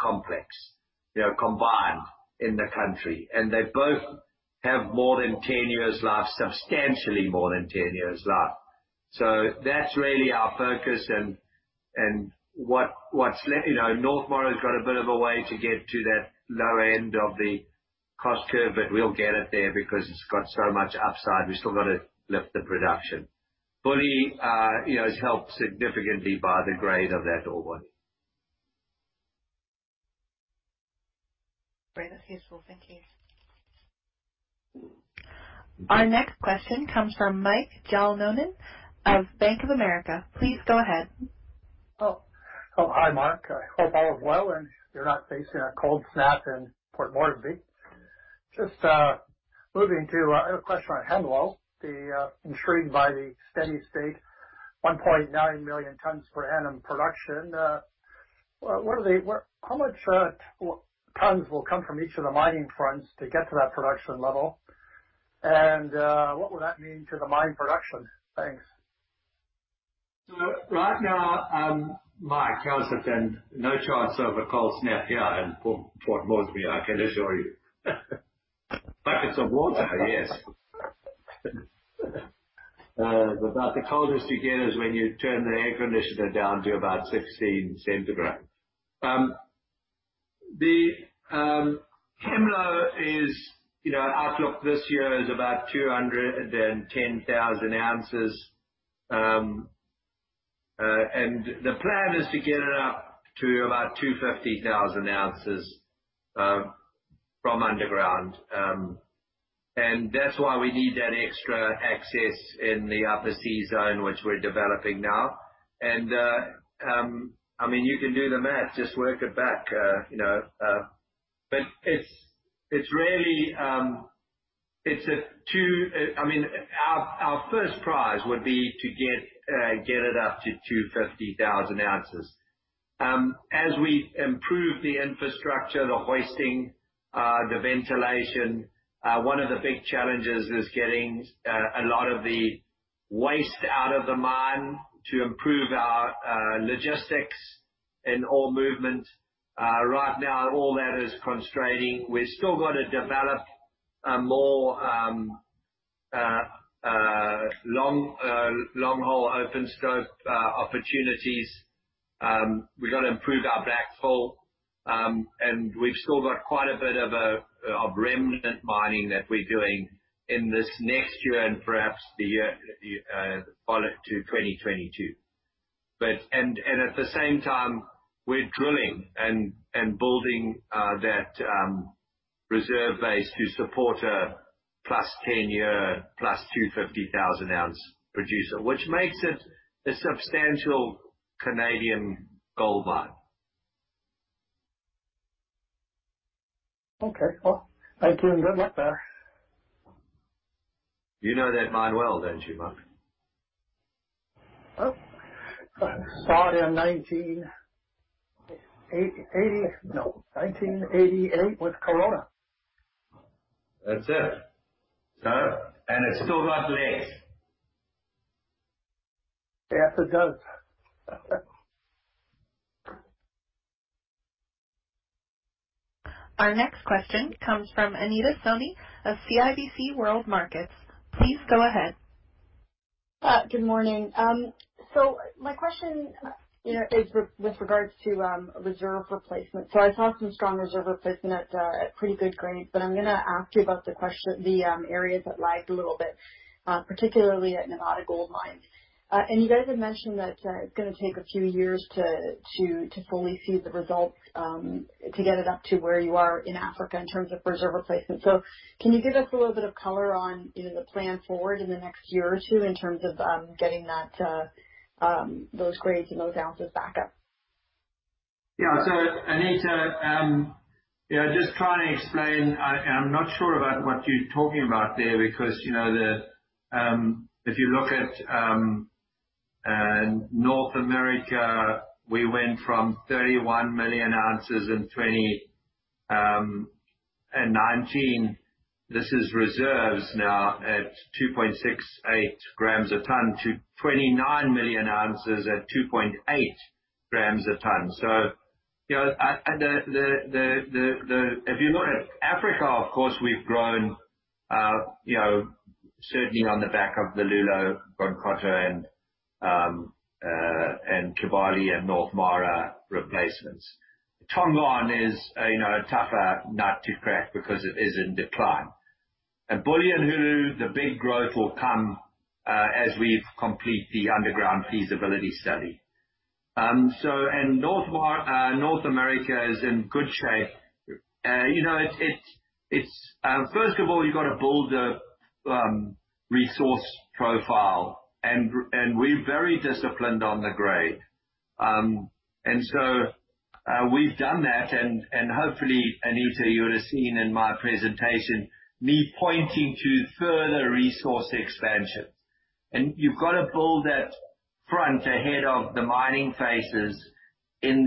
complex. They are combined in the country, and they both have more than 10 years life, substantially more than 10 years life. That's really our focus and what's left. North Mara's got a bit of a way to get to that low end of the cost curve, but we'll get it there because it's got so much upside. We've still got to lift the production. Buly is helped significantly by the grade of that ore body.
Great. That's useful. Thank you.
Our next question comes from Michael Jalonen of Bank of America. Please go ahead.
Oh, hi, Mark. I hope all is well, and you're not facing a cold snap in Port Moresby. I have a question on Hemlo, ensuring by the steady state 1.9 million tonnes per annum production. How much tonnes will come from each of the mining fronts to get to that production level? What will that mean to the mine production? Thanks.
Right now, Mike, how's it been? No chance of a cold snap here in Port Moresby, I can assure you. Buckets of water, yes. About the coldest you get is when you turn the air conditioner down to about 16 centigrade. The Hemlo outlook this year is about 210,000 oz. The plan is to get it up to about 250,000 oz from underground. And that's why we need that extra access in the upper C-Zone, which we're developing now. You can do the math, just work it back, you know. It's really, it's a two, I mean, our first prize would be to get it up to 250,000 oz. As we improve the infrastructure, the hoisting, the ventilation, one of the big challenges is getting a lot of the waste out of the mine to improve our logistics and ore movement. Right now, all that is constraining. We've still got to develop more long-haul open scope opportunities. We got to improve our backfill. We've still got quite a bit of remnant mining that we're doing in this next year and perhaps the year following to 2022. At the same time, we're drilling and building that reserve base to support a +10 year, plus 250,000 oz producer, which makes it a substantial Canadian gold mine.
Okay. Well, thank you. Good luck there.
You know that mine well, don't you, Mike?
Oh, saw it in 1980. No, 1988 with Corona.
That's it, you know. And it's still got legs.
Yes, it does.
Our next question comes from Anita Soni of CIBC World Markets. Please go ahead.
Good morning. My question is with regards to reserve replacement. I saw some strong reserve replacement at pretty good grades, but I'm gonna ask you about the areas that lagged a little bit, particularly at Nevada Gold Mines. You guys had mentioned that it's gonna take a few years to fully see the results to get it up to where you are in Africa in terms of reserve replacement. Can you give us a little bit of color on the plan forward in the next year or two in terms of getting those grades and those ounces back up?
Yeah. So, Anita, just trying to explain, I'm not sure about what you're talking about there, because if you look at North America, we went from 31 million oz in 2019, this is reserves now at 2.68 grams a ton, to 29 million oz at 2.8 grams a ton. If you look at Africa, of course, we've grown certainly on the back of the Loulo, Gounkoto, and Kibali, and North Mara replacements. Tongon is a tougher nut to crack because it is in decline. At Bulyanhulu, the big growth will come as we complete the underground feasibility study. North America is in good shape. You know, it's, first of all, you've got to build a resource profile, and we're very disciplined on the grade. And we've done that, and hopefully, Anita, you would have seen in my presentation me pointing to further resource expansion. You've got to build that front ahead of the mining phases in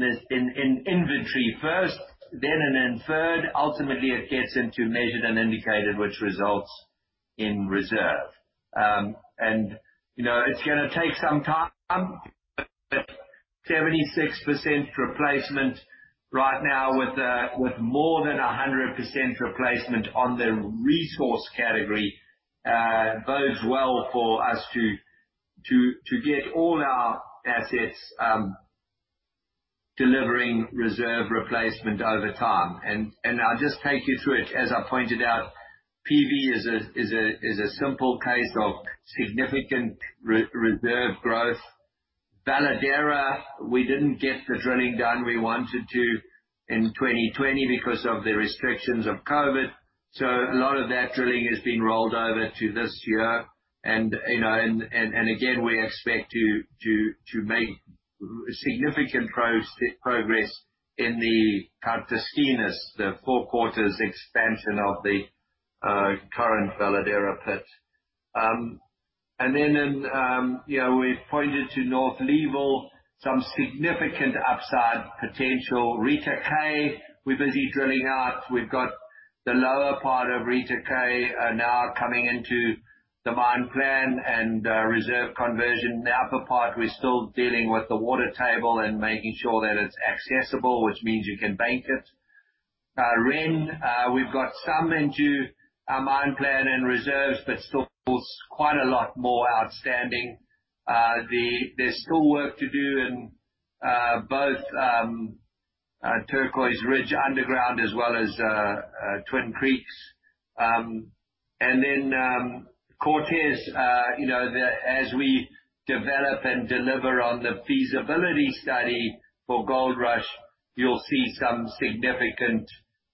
inventory first, then, and then third, ultimately it gets into measured and indicated, which results in reserve. It's gonna take some time, but 76% replacement right now with more than 100% replacement on the resource category bodes well for us to get all our assets delivering reserve replacement over time. And I'll just take you through it. As I pointed out, PV is a simple case of significant reserve growth. Veladero, we didn't get the drilling done we wanted to in 2020 because of the restrictions of COVID. A lot of that drilling has been rolled over to this year. And again, we expect to make significant progress in the Cuarteles, the Cuarteles expansion of the current Veladero pit. Then we pointed to North Leeville, some significant upside potential. Rita K, we're busy drilling out. We've got the lower part of Rita K now coming into the mine plan and reserve conversion. The upper part, we're still dealing with the water table and making sure that it's accessible, which means you can bank it. REN, we've got some into our mine plan and reserves, but still quite a lot more outstanding. There's still work to do in both Turquoise Ridge underground as well as Twin Creeks. Cortez, as we develop and deliver on the feasibility study for Goldrush, you'll see some significant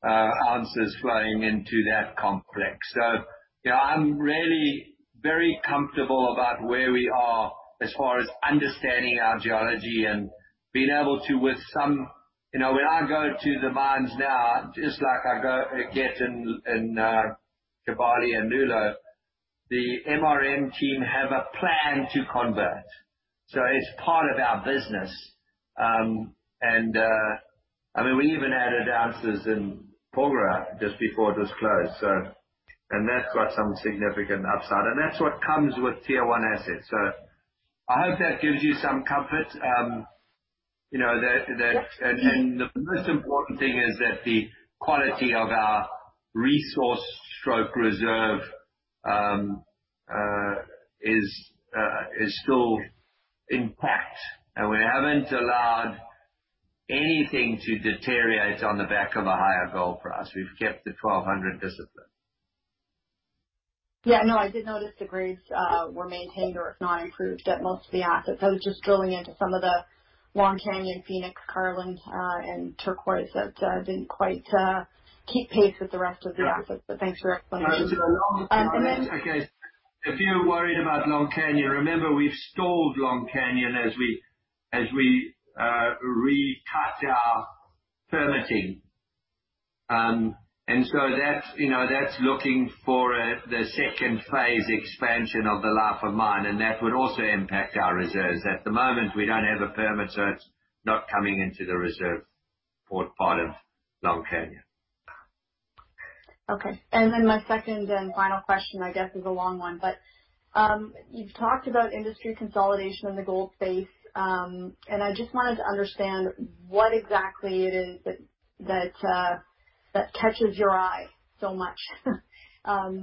ounces flowing into that complex. Yeah, I'm really very comfortable about where we are as far as understanding our geology and being able to, when I go to the mines now, just like I go get in Kibali and Loulo, the MRM team have a plan to convert. It's part of our business. And we even added ounces in Porgera just before it was closed, and that's got some significant upside. That's what comes with Tier One assets. I hope that gives you some comfort. The most important thing is that the quality of our resource/reserve is still intact, and we haven't allowed anything to deteriorate on the back of a higher gold price. We've kept the 1,200 discipline.
Yeah. No, I did notice the grades were maintained or if not improved at most of the assets. I was just drilling into some of the Long Canyon, Phoenix, Carlin, and Turquoise that didn't quite keep pace with the rest of the assets. Thanks for explanation.
Okay. If you're worried about Long Canyon, remember we've stalled Long Canyon as we retouched our permitting. That's looking for the second phase expansion of the life of mine, and that would also impact our reserves. At the moment, we don't have a permit, so it's not coming into the reserve part of Long Canyon.
Okay. And then my second and final question, I guess, is a long one. You've talked about industry consolidation in the gold space, and I just wanted to understand what exactly it is that catches your eye so much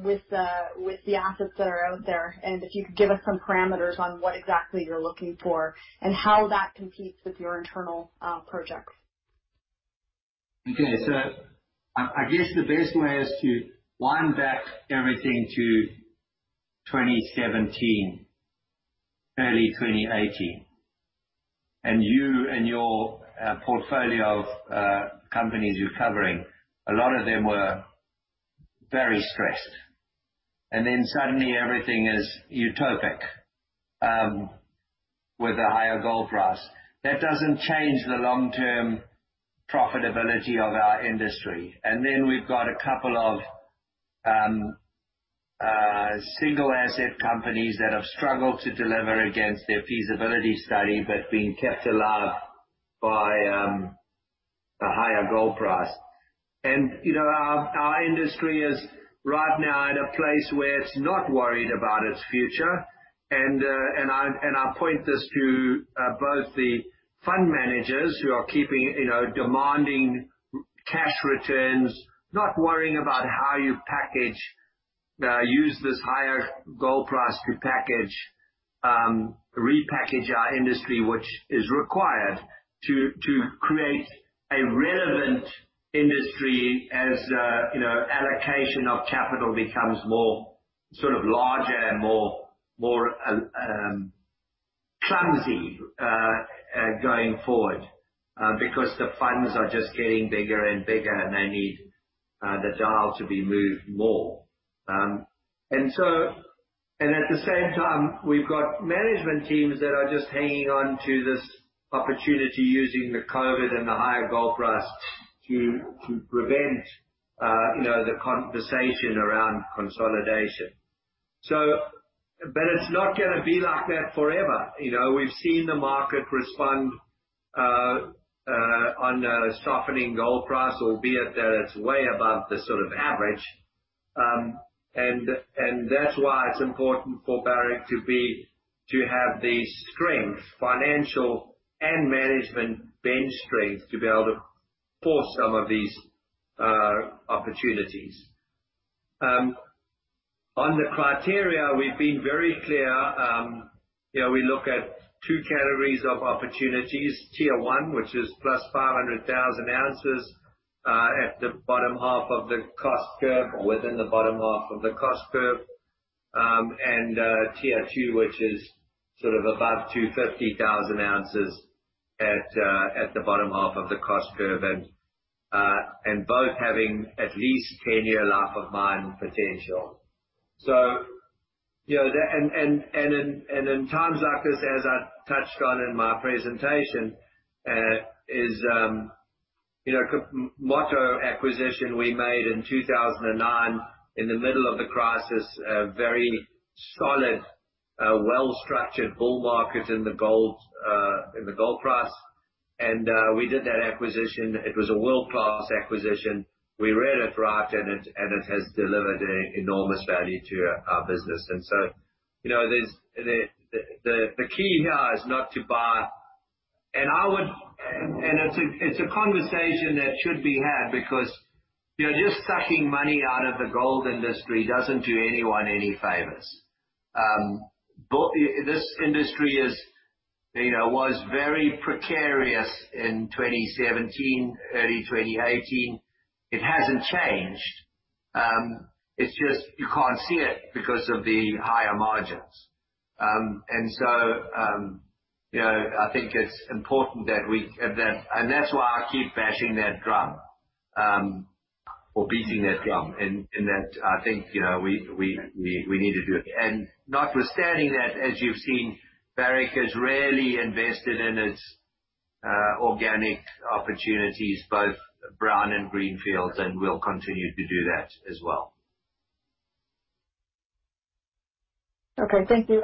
with the assets that are out there, and if you could give us some parameters on what exactly you're looking for and how that competes with your internal projects.
Okay. I guess the best way is to wind back everything to 2017, early 2018. You and your portfolio of companies you're covering, a lot of them were very stressed. Suddenly everything is utopic with a higher gold price. That doesn't change the long-term profitability of our industry. We've got a couple of single-asset companies that have struggled to deliver against their feasibility study, but been kept alive by the higher gold price. Our industry is right now in a place where it's not worried about its future. I point this to both the fund managers who are demanding cash returns, not worrying about how you use this higher gold price to repackage our industry, which is required to create a relevant industry as allocation of capital becomes more, sort of larger and more, more clumsy, going forward. Because the funds are just getting bigger and bigger, and they need the dial to be moved more. At the same time, we've got management teams that are just hanging on to this opportunity using the COVID and the higher gold price to prevent the conversation around consolidation. I bet it's not gonna be like that forever. We've seen the market respond on a softening gold price, albeit that it's way above the sort of average. And that's why it's important for Barrick to have the strength, financial and management bench strength, to be able to force some of these opportunities. On the criteria, we've been very clear. We look at two categories of opportunities. Tier One, which is plus 500,000 oz at the bottom half of the cost curve or within the bottom half of the cost curve. And Tier Two, which is sort of above 250,000 oz at the bottom half of the cost curve. Both having at least 10-year life of mine potential. And in times like this, as I touched on in my presentation, is Moto acquisition we made in 2009 in the middle of the crisis, a very solid, well-structured bull market in the gold price. We did that acquisition. It was a world-class acquisition. We read it right, and it has delivered enormous value to our business. You know, the key now is not to buy and I would- it's a conversation that should be had because just sucking money out of the gold industry doesn't do anyone any favors. This industry is, was very precarious in 2017, early 2018. It hasn't changed. It's just you can't see it because of the higher margins. I think it's important that we- and that's why I keep bashing that drum, or beating that drum. That I think we need to do it. Notwithstanding that, as you've seen, Barrick has rarely invested in its organic opportunities, both brown and greenfields, and we'll continue to do that as well.
Okay. Thank you.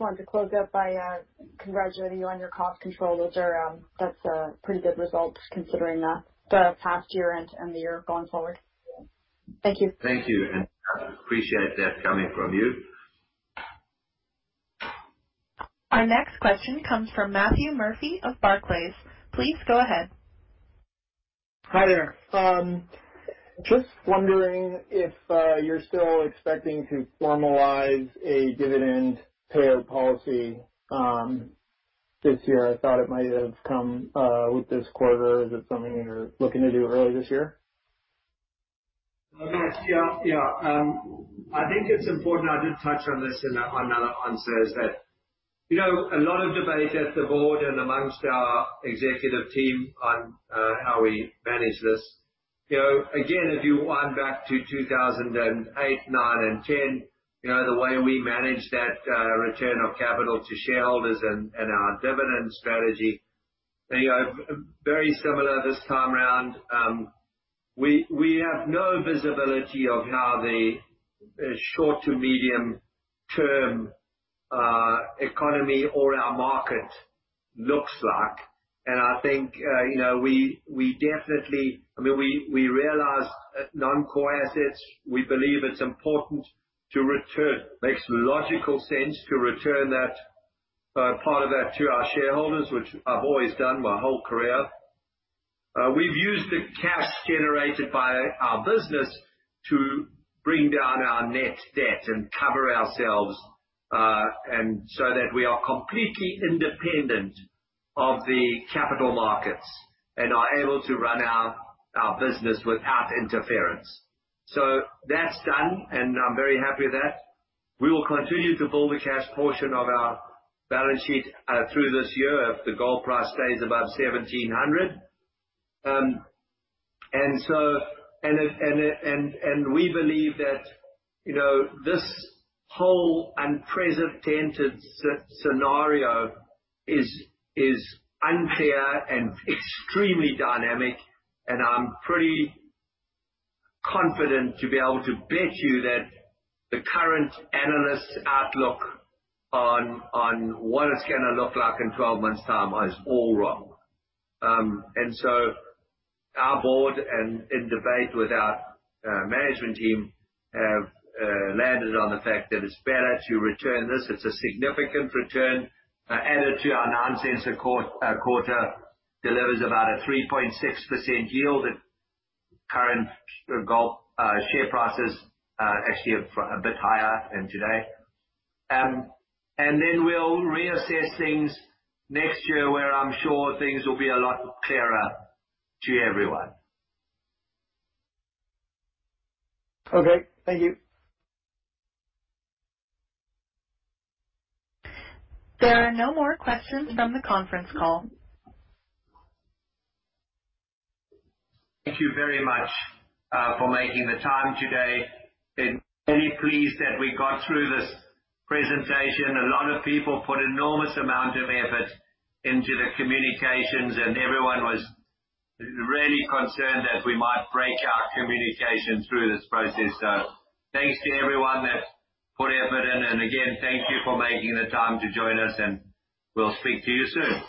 Wanted to close out by congratulating you on your cost control. That's a pretty good result considering the past year and the year going forward. Thank you.
Thank you, and I appreciate that coming from you.
Our next question comes from Matthew Murphy of Barclays. Please go ahead.
Hi there. Just wondering if you're still expecting to formalize a dividend payout policy this year? I thought it might have come with this quarter. Is it something that you're looking to do early this year?
Matt, yeah. I think it's important, I did touch on this in another answer, is that, you know a lot of debate at the Board and amongst our executive team on how we manage this. Again, if you wind back to 2008, then 2009, and 2010, the way we managed that return of capital to shareholders and our dividend strategy, very similar this time around. We have no visibility of how the short to medium term economy or our market looks like. I think we definitely, I mean realize non-core assets. We believe it's important to return, makes logical sense to return that part of that to our shareholders, which I've always done my whole career. We've used the cash generated by our business to bring down our net debt and cover ourselves, so that we are completely independent of the capital markets and are able to run our business without interference. That's done, and I'm very happy with that. We will continue to build the cash portion of our balance sheet through this year if the gold price stays above $1,700. We believe that this whole unprecedented scenario is unclear and extremely dynamic, and I'm pretty confident to be able to bet you that the current analyst outlook on what it's gonna look like in 12 months time is all wrong. Our board, and in debate with our management team, have landed on the fact that it's better to return this. It's a significant return added to our $0.09 a quarter, delivers about a 3.6% yield at current gold share prices, actually a bit higher than today. Then we'll reassess things next year, where I'm sure things will be a lot clearer to everyone.
Okay. Thank you.
There are no more questions from the conference call.
Thank you very much for making the time today. Been very pleased that we got through this presentation. A lot of people put enormous amount of effort into the communications, and everyone was really concerned that we might break our communication through this process. Thanks to everyone that put effort in. Again, thank you for making the time to join us, and we'll speak to you soon.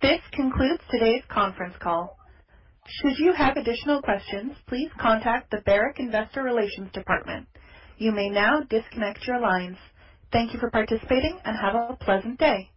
This concludes today's conference call. Should you have additional questions, please contact the Barrick Investor Relations department. You may now disconnect your lines. Thank you for participating, and have a pleasant day.